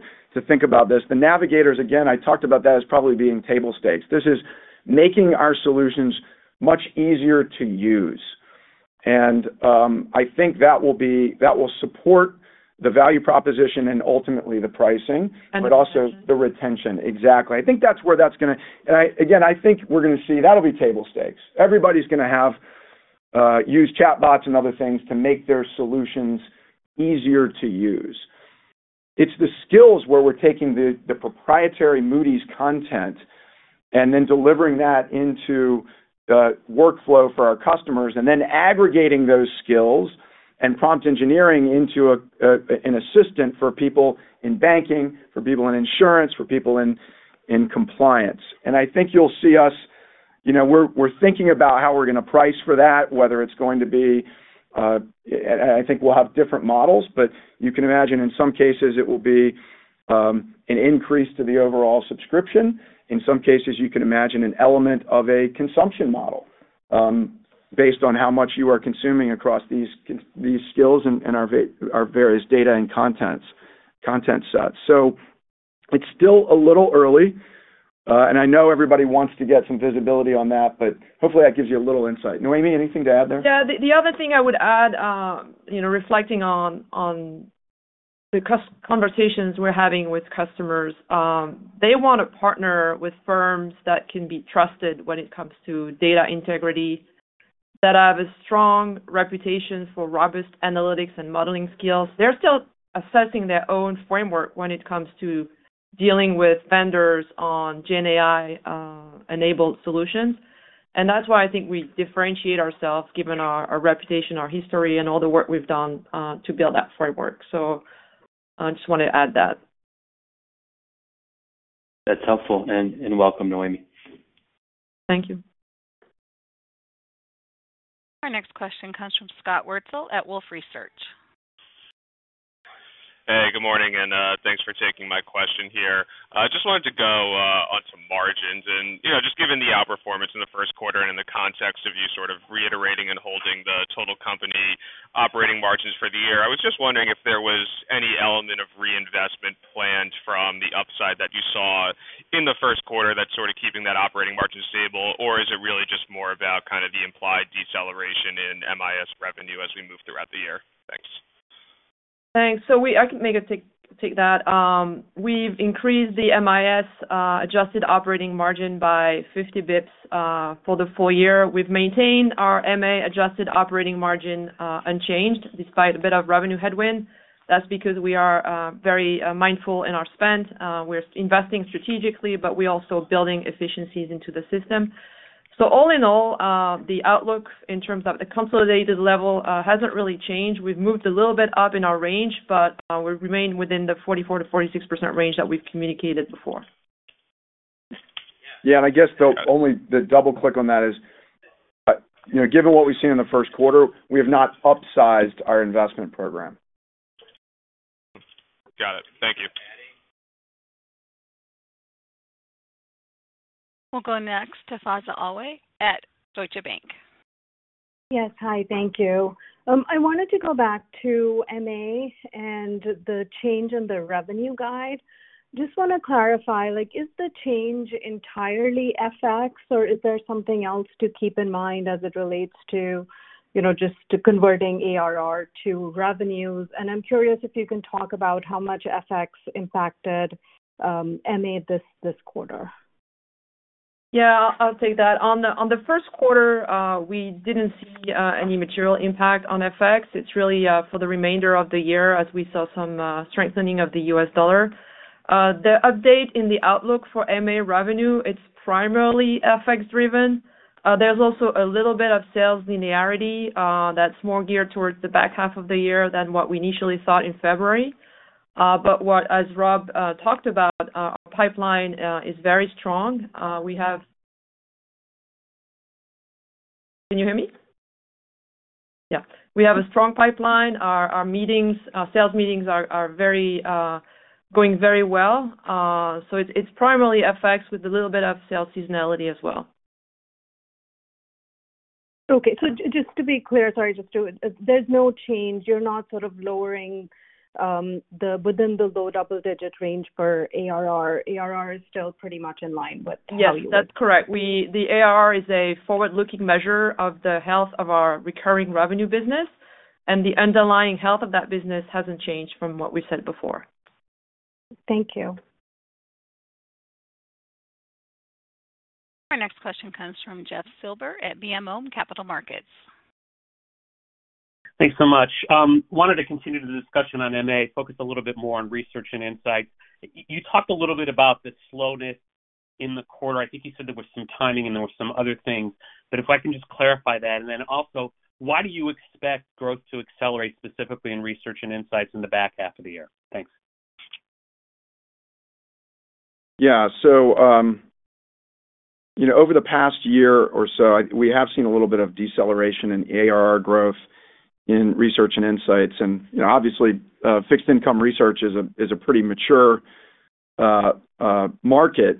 think about this. The Navigators, again, I talked about that as probably being table stakes. This is making our solutions much easier to use. And I think that will support the value proposition and ultimately the pricing, but also the retention. Exactly. I think that's where that's gonna... And again, I think we're gonna see that'll be table stakes. Everybody's gonna have use chatbots and other things to make their solutions easier to use. It's the skills where we're taking the proprietary Moody's content and then delivering that into the workflow for our customers, and then aggregating those skills and prompt engineering into an assistant for people in banking, for people in insurance, for people in compliance. And I think you'll see us, you know, we're thinking about how we're gonna price for that, whether it's going to be... I think we'll have different models, but you can imagine in some cases it will be an increase to the overall subscription. In some cases, you can imagine an element of a consumption model, based on how much you are consuming across these skills and our various data and content sets. So it's still a little early, and I know everybody wants to get some visibility on that, but hopefully that gives you a little insight. Noémie, anything to add there? Yeah, the other thing I would add, you know, reflecting on the customer conversations we're having with customers, they want to partner with firms that can be trusted when it comes to data integrity, that have a strong reputation for robust analytics and modeling skills. They're still assessing their own framework when it comes to dealing with vendors on GenAI enabled solutions. And that's why I think we differentiate ourselves, given our reputation, our history, and all the work we've done to build that framework. So I just wanted to add that. That's helpful, and welcome, Noémie. Thank you. Our next question comes from Scott Wurtzel at Wolfe Research. Hey, good morning, and thanks for taking my question here. I just wanted to go on some margins and, you know, just given the outperformance in the 1Q and in the context of you sort of reiterating and holding the total company operating margins for the year, I was just wondering if there was any element of reinvestment planned from the upside that you saw in the 1Q that's sort of keeping that operating margin stable? Or is it really just more about kind of the implied deceleration in MIS revenue as we move throughout the year? Thanks. Thanks. So, I can take that. We've increased the MIS adjusted operating margin by 50 basis points for the full year. We've maintained our MA adjusted operating margin unchanged despite a bit of revenue headwind. That's because we are very mindful in our spend. We're investing strategically, but we're also building efficiencies into the system. So all in all, the outlook in terms of the consolidated level hasn't really changed. We've moved a little bit up in our range, but we've remained within the 44%-46% range that we've communicated before. Yeah, and I guess the double click on that is, you know, given what we've seen in the 1Q, we have not upsized our investment program. Got it. Thank you. We'll go next to Faiza Alwy at Deutsche Bank. Yes. Hi, thank you. I wanted to go back to MA and the change in the revenue guide. Just want to clarify, like, is the change entirely FX, or is there something else to keep in mind as it relates to, you know, just converting ARR to revenues? And I'm curious if you can talk about how much FX impacted MA this quarter. Yeah, I'll take that. On the 1Q, we didn't see any material impact on FX. It's really for the remainder of the year as we saw some strengthening of the U.S. dollar. The update in the outlook for MA revenue, it's primarily FX driven. There's also a little bit of sales linearity that's more geared towards the back half of the year than what we initially thought in February. But what, as Rob talked about, our pipeline is very strong. We have... Can you hear me? Yeah. We have a strong pipeline. Our meetings, our sales meetings are going very well. So it's primarily FX with a little bit of sales seasonality as well. Okay. So just to be clear, sorry, just to... There's no change. You're not sort of lowering the within the low double-digit range for ARR. ARR is still pretty much in line with how you- Yes, that's correct. The ARR is a forward-looking measure of the health of our recurring revenue business, and the underlying health of that business hasn't changed from what we said before. Thank you. Our next question comes from Jeff Silber at BMO Capital Markets. Thanks so much. Wanted to continue the discussion on MA, focus a little bit more on research and insight. You talked a little bit about the slowness in the quarter. I think you said there was some timing, and there were some other things. But if I can just clarify that, and then also, why do you expect growth to accelerate, specifically in research and insights in the back half of the year? Thanks. Yeah. So, you know, over the past year or so, we have seen a little bit of deceleration in ARR growth in Research and Insights. And, you know, obviously, fixed income research is a pretty mature market.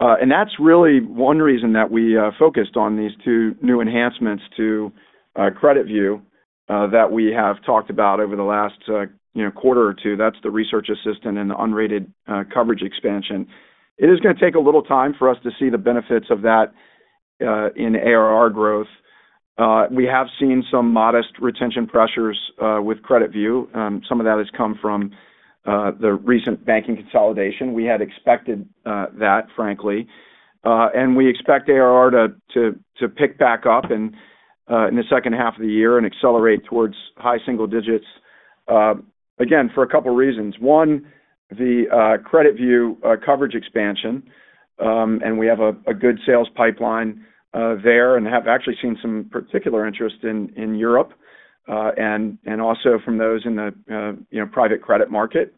And that's really one reason that we focused on these two new enhancements to CreditView that we have talked about over the last quarter or two. That's the Research Assistant and the unrated coverage expansion. It is gonna take a little time for us to see the benefits of that in ARR growth. We have seen some modest retention pressures with CreditView. Some of that has come from the recent banking consolidation. We had expected that, frankly. And we expect ARR to pick back up in the H2 of the year and accelerate towards high single digits, again, for a couple reasons. One, the CreditView coverage expansion, and we have a good sales pipeline there and have actually seen some particular interest in Europe, and also from those in the, you know, private credit market.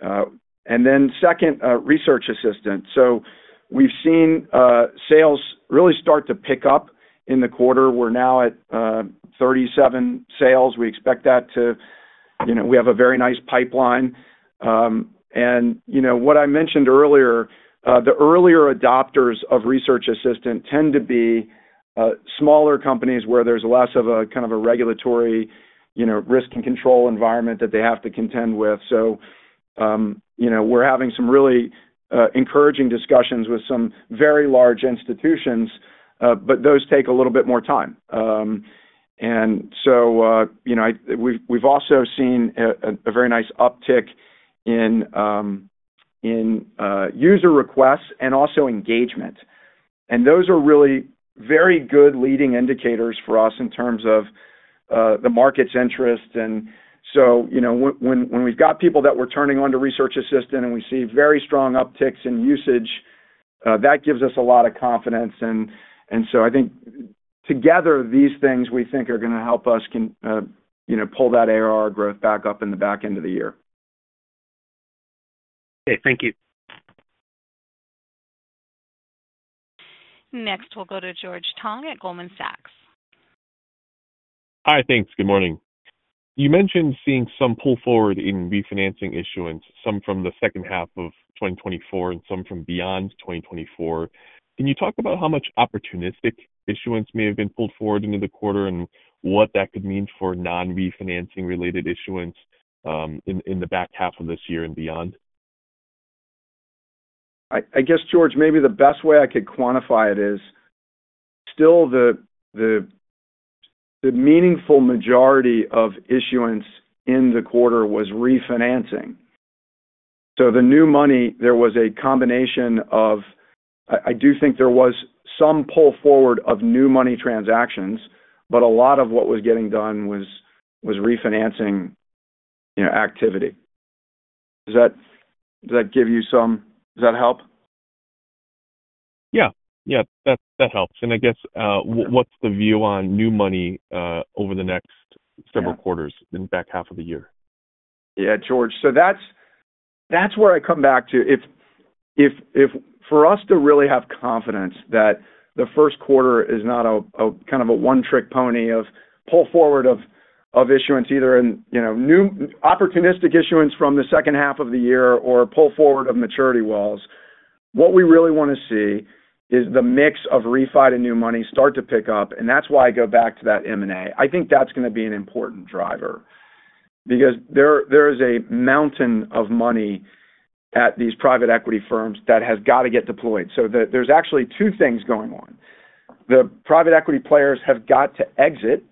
And then second, Research Assistant. We've seen sales really start to pick up in the quarter. We're now at 37 sales. We expect that to, you know, we have a very nice pipeline. You know, what I mentioned earlier, the earlier adopters of Research Assistant tend to be smaller companies where there's less of a kind of regulatory, you know, risk and control environment that they have to contend with. So, you know, we're having some really encouraging discussions with some very large institutions, but those take a little bit more time. And so, you know, we've also seen a very nice uptick in user requests and also engagement, and those are really very good leading indicators for us in terms of the market's interest. And so, you know, when we've got people that we're turning on to Research Assistant, and we see very strong upticks in usage, that gives us a lot of confidence. I think together, these things we think are gonna help us, you know, pull that ARR growth back up in the back end of the year. Okay, thank you. Next, we'll go to George Tong at Goldman Sachs. Hi, thanks. Good morning. You mentioned seeing some pull forward in refinancing issuance, some from the H2 of 2024 and some from beyond 2024. Can you talk about how much opportunistic issuance may have been pulled forward into the quarter, and what that could mean for non-refinancing related issuance, in the back half of this year and beyond? I guess, George, maybe the best way I could quantify it is, still the meaningful majority of issuance in the quarter was refinancing. So the new money, there was a combination of... I do think there was some pull forward of new money transactions, but a lot of what was getting done was refinancing, you know, activity. Does that give you some, does that help? Yeah. Yeah, that, that helps. And I guess, what's the view on new money, over the next- Yeah - several quarters in the back half of the year? Yeah, George, so that's where I come back to. If for us to really have confidence that the 1Q is not a kind of a one-trick pony of pull forward of issuance, either in, you know, new opportunistic issuance from the H2 of the year or pull forward of maturity walls, what we really wanna see is the mix of refi and new money start to pick up, and that's why I go back to that M&A. I think that's gonna be an important driver because there is a mountain of money at these private equity firms that has got to get deployed. So there's actually two things going on. The private equity players have got to exit,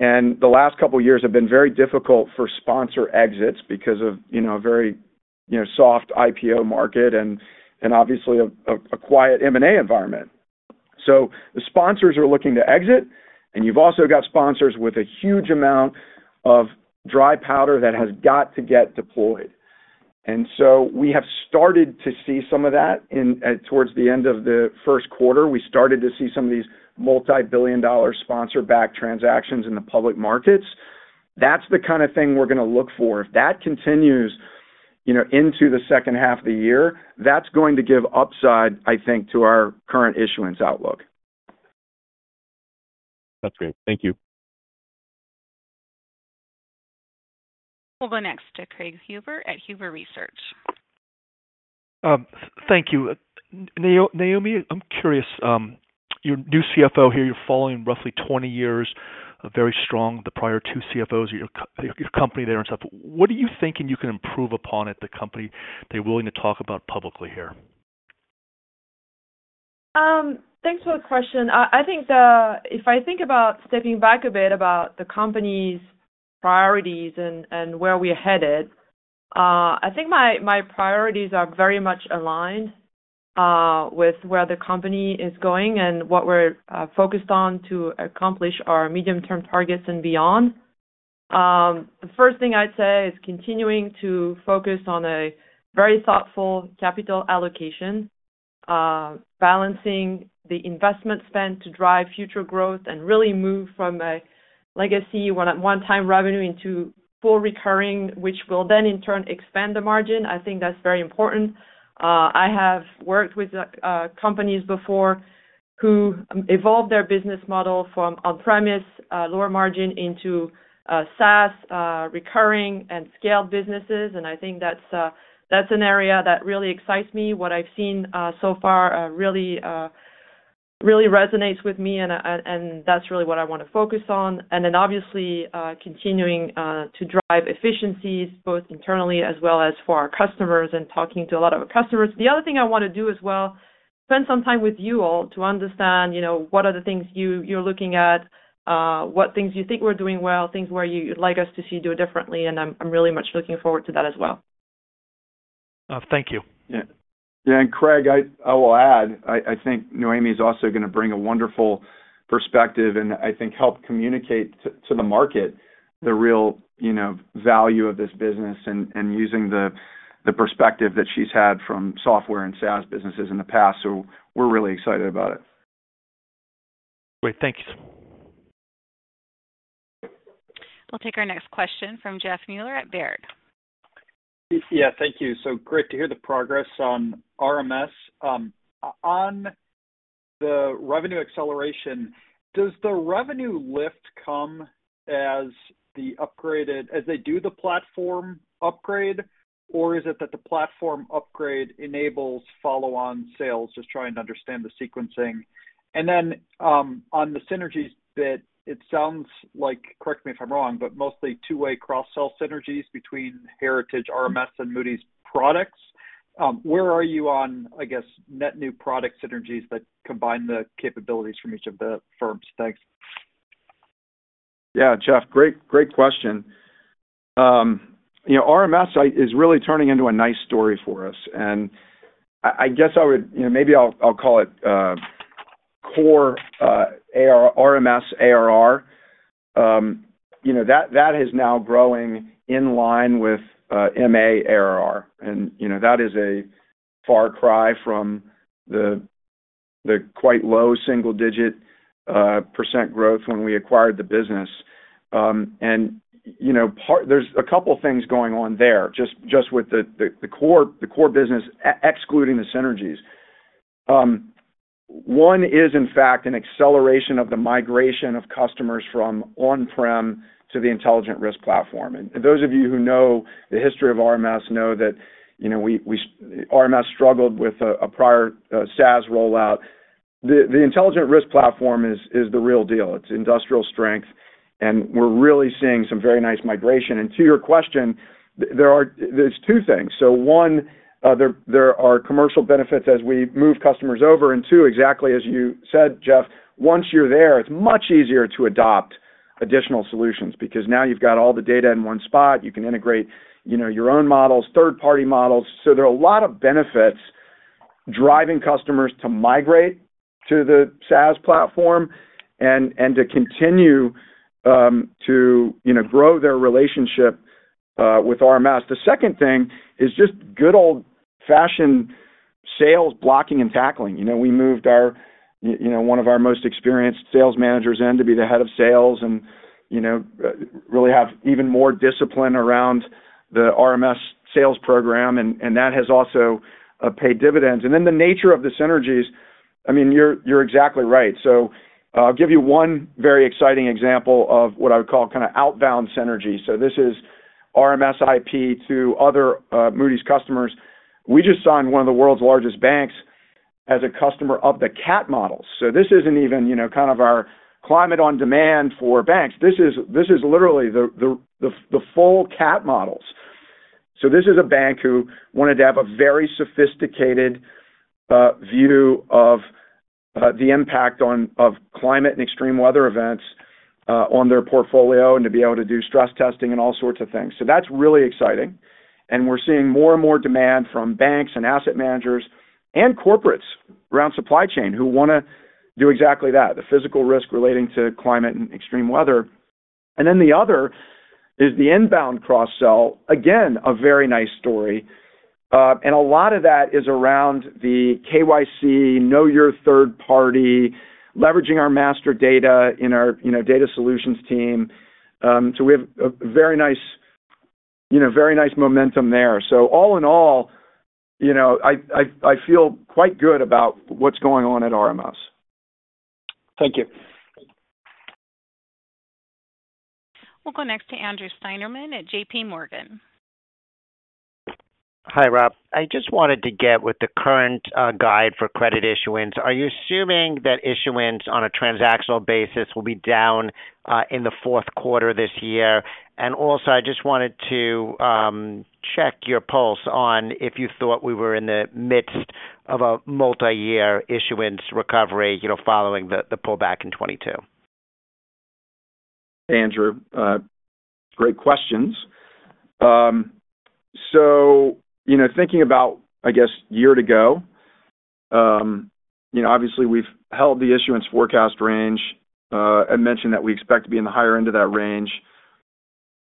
and the last couple of years have been very difficult for sponsor exits because of, you know, a very, you know, soft IPO market and, and obviously a, a, a quiet M&A environment. So the sponsors are looking to exit, and you've also got sponsors with a huge amount of dry powder that has got to get deployed. And so we have started to see some of that in, towards the end of the 1Q. We started to see some of these multi-billion-dollar sponsor-backed transactions in the public markets. That's the kind of thing we're gonna look for. If that continues, you know, into the H2 of the year, that's going to give upside, I think, to our current issuance outlook. That's great. Thank you. We'll go next to Craig Huber at Huber Research. Thank you. Noémie, I'm curious, you're new CFO here, you're following roughly 20 years, a very strong, the prior two CFOs at your your company there and stuff. What are you thinking you can improve upon at the company that you're willing to talk about publicly here? Thanks for the question. I think, if I think about stepping back a bit about the company's priorities and, and where we're headed, I think my, my priorities are very much aligned, with where the company is going and what we're, focused on to accomplish our medium-term targets and beyond. The first thing I'd say is continuing to focus on a very thoughtful capital allocation, balancing the investment spend to drive future growth and really move from a legacy one at one-time revenue into full recurring, which will then, in turn, expand the margin. I think that's very important. I have worked with the, companies before who evolved their business model from on-premise, lower margin into, SaaS, recurring and scaled businesses, and I think that's, that's an area that really excites me. What I've seen so far really resonates with me, and that's really what I wanna focus on. And then obviously continuing to drive efficiencies, both internally as well as for our customers and talking to a lot of our customers. The other thing I wanna do as well, spend some time with you all to understand, you know, what are the things you're looking at, what things you think we're doing well, things where you'd like us to see do it differently, and I'm really much looking forward to that as well. Thank you. Yeah. Yeah, and Craig, I will add, I think Noémie is also gonna bring a wonderful perspective and I think help communicate to, to the market, the real, you know, value of this business and, and using the, the perspective that she's had from software and SaaS businesses in the past. So we're really excited about it. Great. Thank you. We'll take our next question from Jeff Meuler at Baird. Yeah, thank you. So great to hear the progress on RMS. On the revenue acceleration, does the revenue lift come as they do the platform upgrade, or is it that the platform upgrade enables follow-on sales? Just trying to understand the sequencing. And then, on the synergies bit, it sounds like, correct me if I'm wrong, but mostly two-way cross-sell synergies between Heritage, RMS, and Moody's products. Where are you on, I guess, net new product synergies that combine the capabilities from each of the firms? Thanks. Yeah, Jeff, great, great question. You know, RMS is really turning into a nice story for us, and I guess I would, you know, maybe I'll call it core RMS ARR. You know, that is now growing in line with MA ARR, and you know, that is a far cry from the quite low single-digit % growth when we acquired the business. And you know, there's a couple things going on there, just with the core business, excluding the synergies. One is, in fact, an acceleration of the migration of customers from on-prem to the Intelligent Risk Platform. And those of you who know the history of RMS know that, you know, we, RMS struggled with a prior SaaS rollout. The Intelligent Risk Platform is the real deal. It's industrial strength, and we're really seeing some very nice migration. And to your question, there are two things. So one, there are commercial benefits as we move customers over, and two, exactly as you said, Jeff, once you're there, it's much easier to adopt additional solutions because now you've got all the data in one spot. You can integrate, you know, your own models, third-party models. So there are a lot of benefits driving customers to migrate to the SaaS platform and to, you know, grow their relationship with RMS. The second thing is just good old-fashioned sales blocking and tackling. You know, we moved our, you know, one of our most experienced sales managers in to be the head of sales and, you know, really have even more discipline around the RMS sales program, and, and that has also paid dividends. And then the nature of the synergies, I mean, you're, you're exactly right. So, I'll give you one very exciting example of what I would call kind of outbound synergy. So this is RMS IP to other, Moody's customers. We just signed one of the world's largest banks as a customer of the Cat Models. So this isn't even, you know, kind of our climate on demand for banks. This is, this is literally the full Cat Models. So this is a bank who wanted to have a very sophisticated view of the impact of climate and extreme weather events on their portfolio, and to be able to do stress testing and all sorts of things. So that's really exciting, and we're seeing more and more demand from banks and asset managers and corporates around supply chain, who wanna do exactly that, the physical risk relating to climate and extreme weather. And then the other is the inbound cross-sell. Again, a very nice story. And a lot of that is around the KYC, know your third party, leveraging our master data in our data solutions team. So we have a very nice, you know, very nice momentum there. So all in all, you know, I feel quite good about what's going on at RMS. Thank you. We'll go next to Andrew Steinerman at JP Morgan. Hi, Rob. I just wanted to get with the current guide for credit issuance. Are you assuming that issuance on a transactional basis will be down in the 4Q this year? And also, I just wanted to check your pulse on if you thought we were in the midst of a multi-year issuance recovery, you know, following the pullback in 2022. Andrew, great questions. So you know, thinking about, I guess, year to go, you know, obviously we've held the issuance forecast range, and mentioned that we expect to be in the higher end of that range.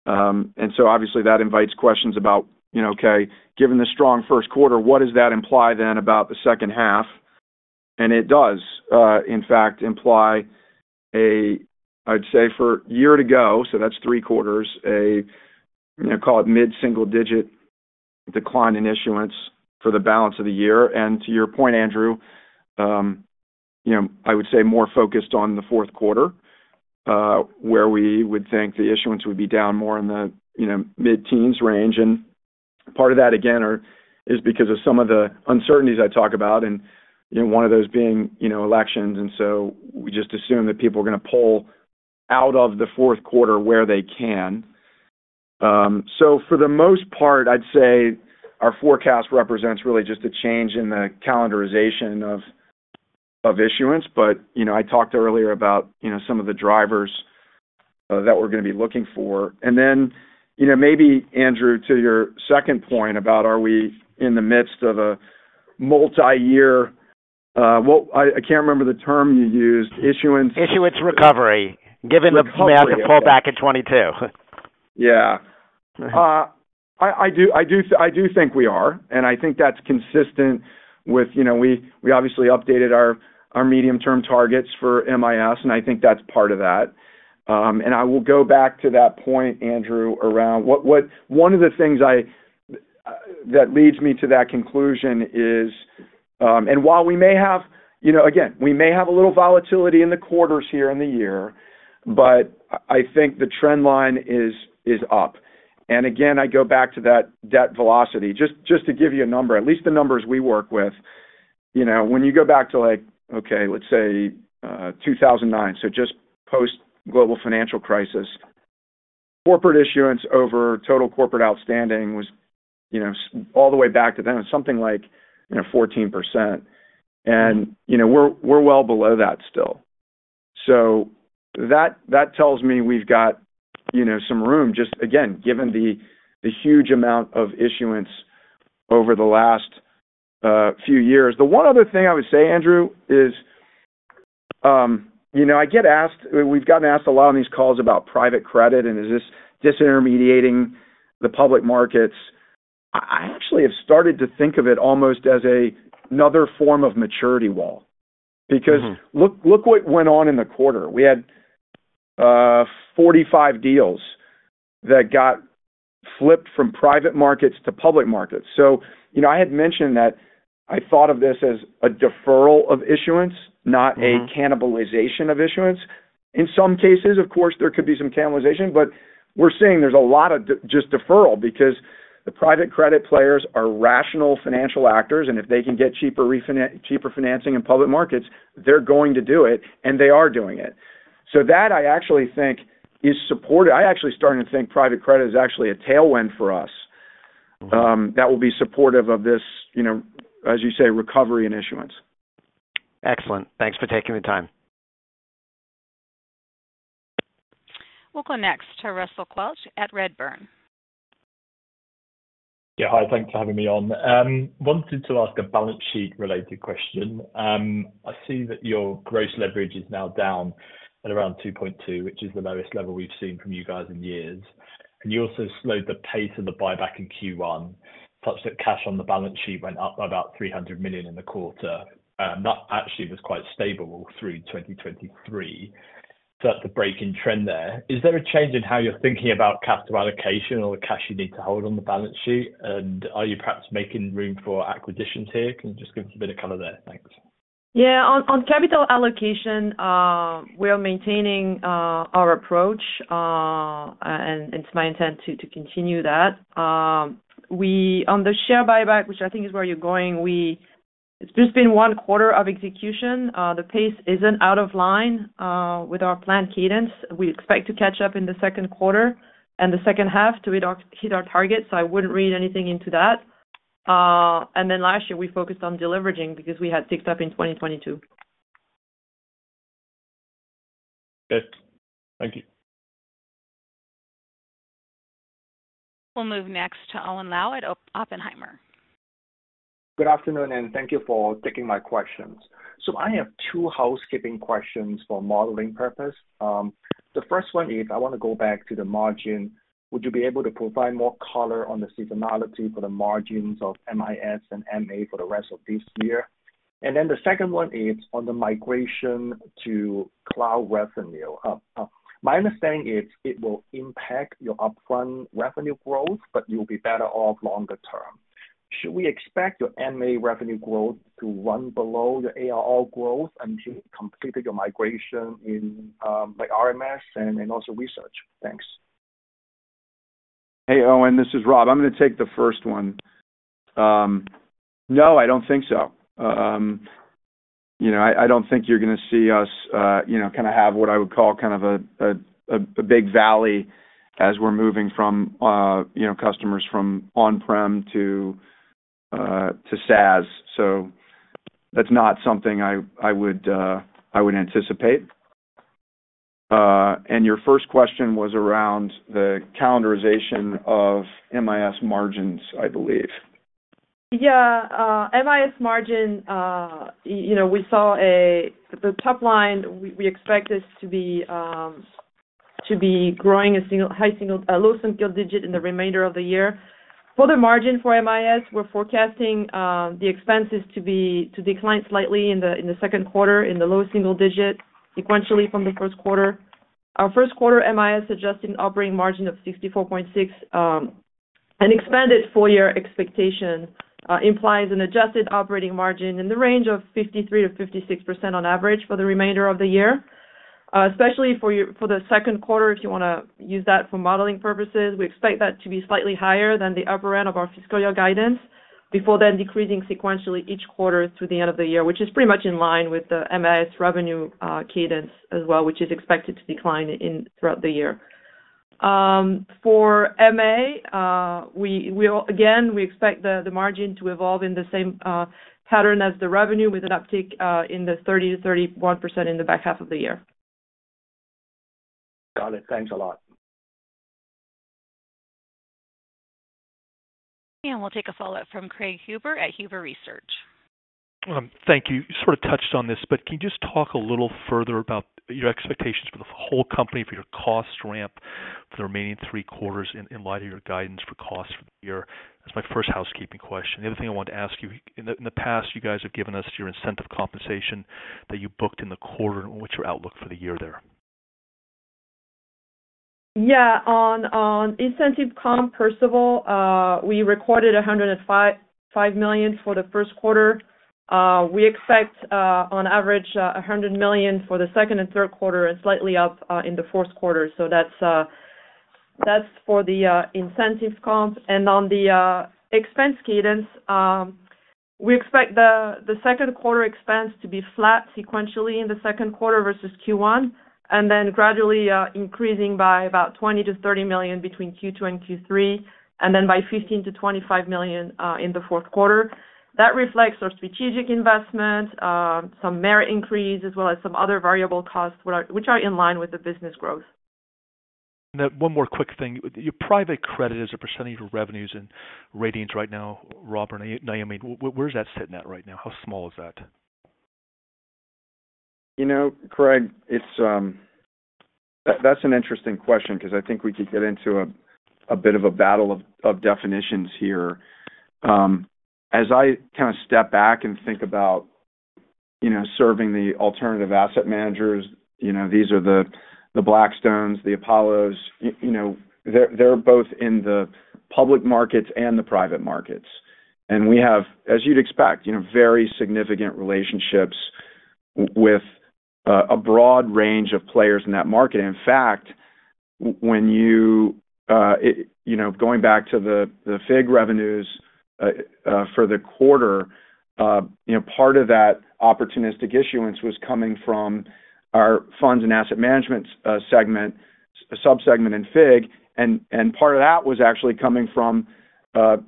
And so obviously, that invites questions about, you know, okay, given the strong 1Q, what does that imply then about the H2? And it does, in fact, imply a... I'd say for year to go, so that's three quarters, a, you know, call it mid-single digit decline in issuance for the balance of the year. And to your point, Andrew, you know, I would say more focused on the 4Q, where we would think the issuance would be down more in the, you know, mid-teens range. And part of that, again, is because of some of the uncertainties I talk about and, you know, one of those being, you know, elections. And so we just assume that people are gonna pull out of the 4Q where they can. So for the most part, I'd say our forecast represents really just a change in the calendarization of issuance. But, you know, I talked earlier about, you know, some of the drivers that we're gonna be looking for. And then, you know, maybe, Andrew, to your second point about are we in the midst of a multi-year, well, I can't remember the term you used, issuance- Issuance recovery, given the massive pullback in 2022.... Yeah. I do think we are, and I think that's consistent with, you know, we obviously updated our medium-term targets for MIS, and I think that's part of that. And I will go back to that point, Andrew, around one of the things that leads me to that conclusion is, and while we may have, you know, again a little volatility in the quarters here in the year, but I think the trend line is up. And again, I go back to that debt velocity. Just to give you a number, at least the numbers we work with, you know, when you go back to like, okay, let's say 2009, so just post-global financial crisis, corporate issuance over total corporate outstanding was, you know, all the way back to then, something like, you know, 14%. And, you know, we're well below that still. So that tells me we've got, you know, some room, just again, given the huge amount of issuance over the last few years. The one other thing I would say, Andrew, is, you know, I get asked, we've gotten asked a lot on these calls about private credit, and is this disintermediating the public markets? I actually have started to think of it almost as another form of maturity wall. Because look, look what went on in the quarter. We had 45 deals that got flipped from private markets to public markets. So you know, I had mentioned that I thought of this as a deferral of issuance- -not a cannibalization of issuance. In some cases, of course, there could be some cannibalization, but we're seeing there's a lot of just deferral because the private credit players are rational financial actors, and if they can get cheaper financing in public markets, they're going to do it, and they are doing it. So that, I actually think, is supported. I'm actually starting to think private credit is actually a tailwind for us-... that will be supportive of this, you know, as you say, recovery in issuance. Excellent. Thanks for taking the time. We'll go next to Russell Quelch at Redburn. Yeah, hi, thanks for having me on. Wanted to ask a balance sheet-related question. I see that your gross leverage is now down at around 2.2, which is the lowest level we've seen from you guys in years. And you also slowed the pace of the buyback in Q1, such that cash on the balance sheet went up by about $300 million in the quarter. That actually was quite stable through 2023. So that's a break in trend there. Is there a change in how you're thinking about capital allocation or the cash you need to hold on the balance sheet? And are you perhaps making room for acquisitions here? Can you just give us a bit of color there? Thanks. Yeah. On capital allocation, we are maintaining our approach, and it's my intent to continue that. On the share buyback, which I think is where you're going, it's just been 1 quarter of execution. The pace isn't out of line with our planned cadence. We expect to catch up in the 2Q and the H2 to hit our target, so I wouldn't read anything into that. And then last year, we focused on deleveraging because we had ticked up in 2022. Good. Thank you. We'll move next to Owen Lau at Oppenheimer. Good afternoon, and thank you for taking my questions. So I have two housekeeping questions for modeling purpose. The first one is, I want to go back to the margin. Would you be able to provide more color on the seasonality for the margins of MIS and MA for the rest of this year? And then the second one is on the migration to cloud revenue. My understanding is it will impact your upfront revenue growth, but you'll be better off longer term. Should we expect your MA revenue growth to run below the ARR growth until you completed your migration in, like, RMS and also research? Thanks. Hey, Owen, this is Rob. I'm gonna take the first one. No, I don't think so. You know, I don't think you're gonna see us, you know, kind of have what I would call kind of a big valley as we're moving from, you know, customers from on-prem to to SaaS. So that's not something I would anticipate. And your first question was around the calendarization of MIS margins, I believe. Yeah. MIS margin, you know, we saw the top line, we expect this to be growing high single digit in the remainder of the year. For the margin for MIS, we're forecasting the expenses to decline slightly in the 2Q, in the low single digit, sequentially from the 1Q. Our 1Q MIS adjusted operating margin of 64.6. An expanded full year expectation implies an adjusted operating margin in the range of 53%-56% on average for the remainder of the year. Especially for your, for the 2Q, if you wanna use that for modeling purposes, we expect that to be slightly higher than the upper end of our fiscal year guidance, before then decreasing sequentially each quarter through the end of the year, which is pretty much in line with the MIS revenue cadence as well, which is expected to decline throughout the year. For MA, we again expect the margin to evolve in the same pattern as the revenue, with an uptick in the 30%-31% in the back half of the year. Got it. Thanks a lot. ... And we'll take a follow-up from Craig Huber at Huber Research. Thank you. You sort of touched on this, but can you just talk a little further about your expectations for the whole company, for your cost ramp for the remaining three quarters in light of your guidance for costs for the year? That's my first housekeeping question. The other thing I wanted to ask you, in the past, you guys have given us your incentive compensation that you booked in the quarter, and what's your outlook for the year there? Yeah. On, on incentive comp, first of all, we recorded $105.5 million for the 1Q. We expect, on average, $100 million for the second and 3Q, and slightly up in the 4Q. So that's for the incentive comp. And on the expense cadence, we expect the 2Q expense to be flat sequentially in the 2Q versus Q1, and then gradually increasing by about $20 million-$30 million between Q2 and Q3, and then by $15 million-$25 million in the 4Q. That reflects our strategic investment, some merit increase, as well as some other variable costs, which are in line with the business growth. Now, one more quick thing. Your private credit as a percentage of revenues and ratings right now, Rob or Noémie, where does that sit at right now? How small is that? You know, Craig, it's... That's an interesting question because I think we could get into a bit of a battle of definitions here. As I kind of step back and think about, you know, serving the alternative asset managers, you know, these are the Blackstones, the Apollos, you know, they're both in the public markets and the private markets. And we have, as you'd expect, you know, very significant relationships with a broad range of players in that market. In fact, when you, you know, going back to the, the FIG revenues, for the quarter, you know, part of that opportunistic issuance was coming from our funds and asset management, segment, sub-segment in FIG, and, and part of that was actually coming from,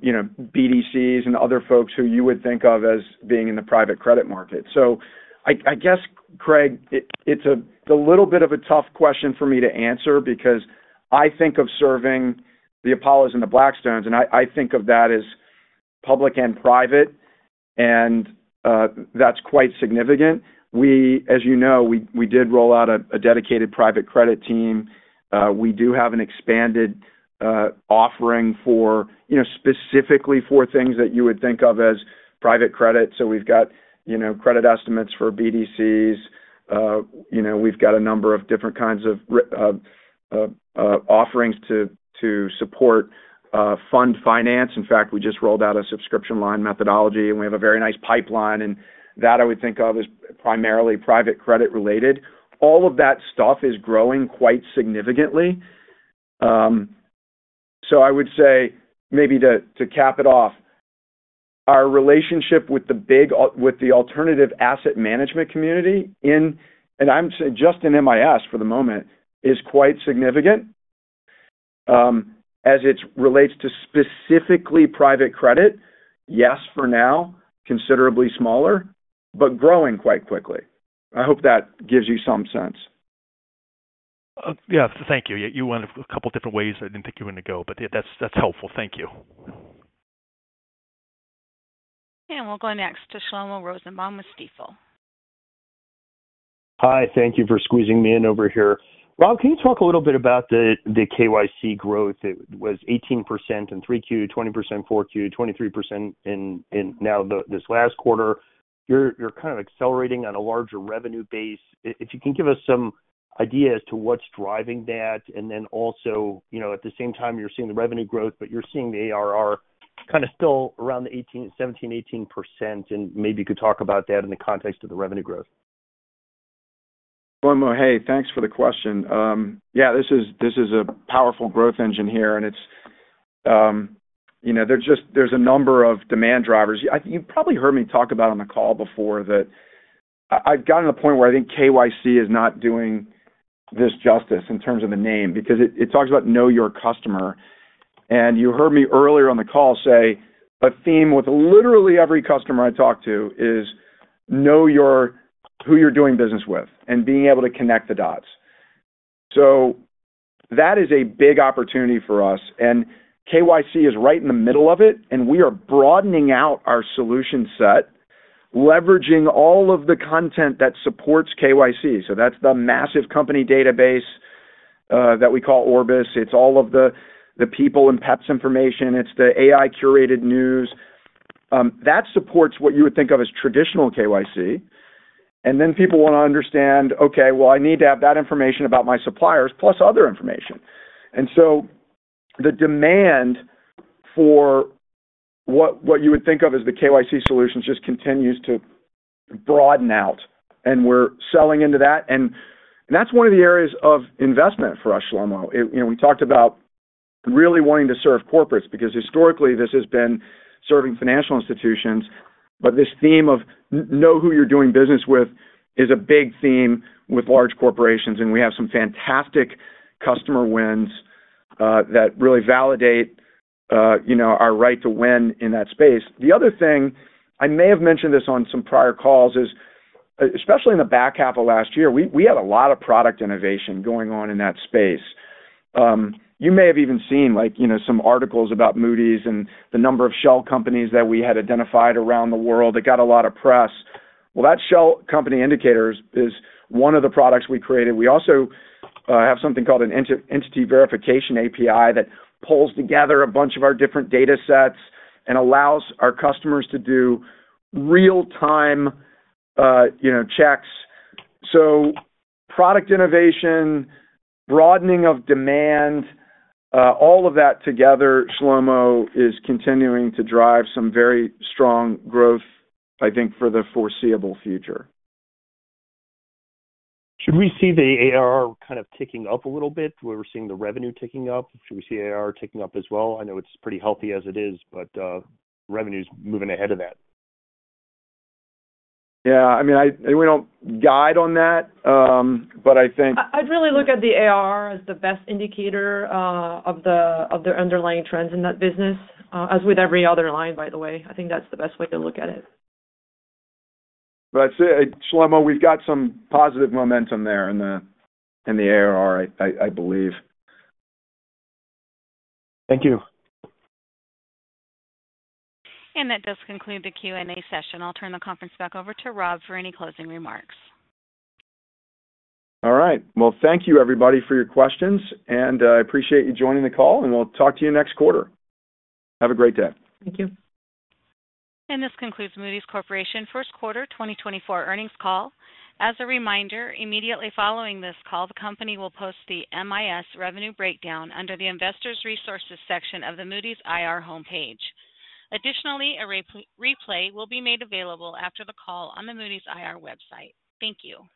you know, BDCs and other folks who you would think of as being in the private credit market. So I guess, Craig, it's a little bit of a tough question for me to answer because I think of serving the Apollos and the Blackstones, and I think of that as public and private, and that's quite significant. We, as you know, we did roll out a dedicated private credit team. We do have an expanded offering for, you know, specifically for things that you would think of as private credit. So we've got, you know, credit estimates for BDCs. You know, we've got a number of different kinds of offerings to support fund finance. In fact, we just rolled out a subscription line methodology, and we have a very nice pipeline, and that I would think of as primarily private credit related. All of that stuff is growing quite significantly. So I would say, maybe to cap it off, our relationship with the big alt-- with the alternative asset management community in, and I'm saying just in MIS for the moment, is quite significant. As it relates to specifically private credit, yes, for now, considerably smaller, but growing quite quickly. I hope that gives you some sense. Yeah, thank you. You went a couple different ways I didn't think you were going to go, but yeah, that's, that's helpful. Thank you. We'll go next to Shlomo Rosenbaum with Stifel. Hi. Thank you for squeezing me in over here. Rob, can you talk a little bit about the KYC growth? It was 18% in Q3, 20% in Q4, 23% in this last quarter. You're kind of accelerating on a larger revenue base. If you can give us some idea as to what's driving that, and then also, you know, at the same time, you're seeing the revenue growth, but you're seeing the ARR kind of still around the 18%, 17%, 18%, and maybe you could talk about that in the context of the revenue growth. Shlomo, hey, thanks for the question. Yeah, this is, this is a powerful growth engine here, and it's, you know, there's a number of demand drivers. You've probably heard me talk about on the call before, that I've gotten to the point where I think KYC is not doing this justice in terms of the name, because it, it talks about know your customer, and you heard me earlier on the call say, a theme with literally every customer I talk to is know your, who you're doing business with and being able to connect the dots. So that is a big opportunity for us, and KYC is right in the middle of it, and we are broadening out our solution set, leveraging all of the content that supports KYC. So that's the massive company database, that we call Orbis. It's all of the people and PEPs information. It's the AI-curated news that supports what you would think of as traditional KYC. And then people want to understand, okay, well, I need to have that information about my suppliers plus other information. And so the demand for what you would think of as the KYC solutions just continues to broaden out, and we're selling into that. And that's one of the areas of investment for us, Shlomo. You know, we talked about really wanting to serve corporates, because historically this has been serving financial institutions, but this theme of know who you're doing business with is a big theme with large corporations, and we have some fantastic customer wins that really validate you know, our right to win in that space. The other thing, I may have mentioned this on some prior calls, is especially in the back half of last year, we had a lot of product innovation going on in that space. You may have even seen, like, you know, some articles about Moody's and the number of shell companies that we had identified around the world. It got a lot of press. Well, that Shell Company Indicators is one of the products we created. We also have something called an entity verification API, that pulls together a bunch of our different datasets and allows our customers to do real-time, you know, checks. So product innovation, broadening of demand, all of that together, Shlomo, is continuing to drive some very strong growth, I think, for the foreseeable future. Should we see the ARR kind of ticking up a little bit? We're seeing the revenue ticking up. Should we see ARR ticking up as well? I know it's pretty healthy as it is, but, revenue's moving ahead of that. Yeah, I mean, we don't guide on that, but I think- I'd really look at the ARR as the best indicator of the underlying trends in that business, as with every other line, by the way. I think that's the best way to look at it. But I'd say, Shlomo, we've got some positive momentum there in the ARR. I believe. Thank you. That does conclude the Q&A session. I'll turn the conference back over to Rob for any closing remarks. All right. Well, thank you everybody for your questions, and I appreciate you joining the call, and we'll talk to you next quarter. Have a great day. Thank you. This concludes Moody's Corporation 1Q 2024 earnings call. As a reminder, immediately following this call, the company will post the MIS revenue breakdown under the Investor Resources section of the Moody's IR homepage. Additionally, a replay will be made available after the call on the Moody's IR website. Thank you.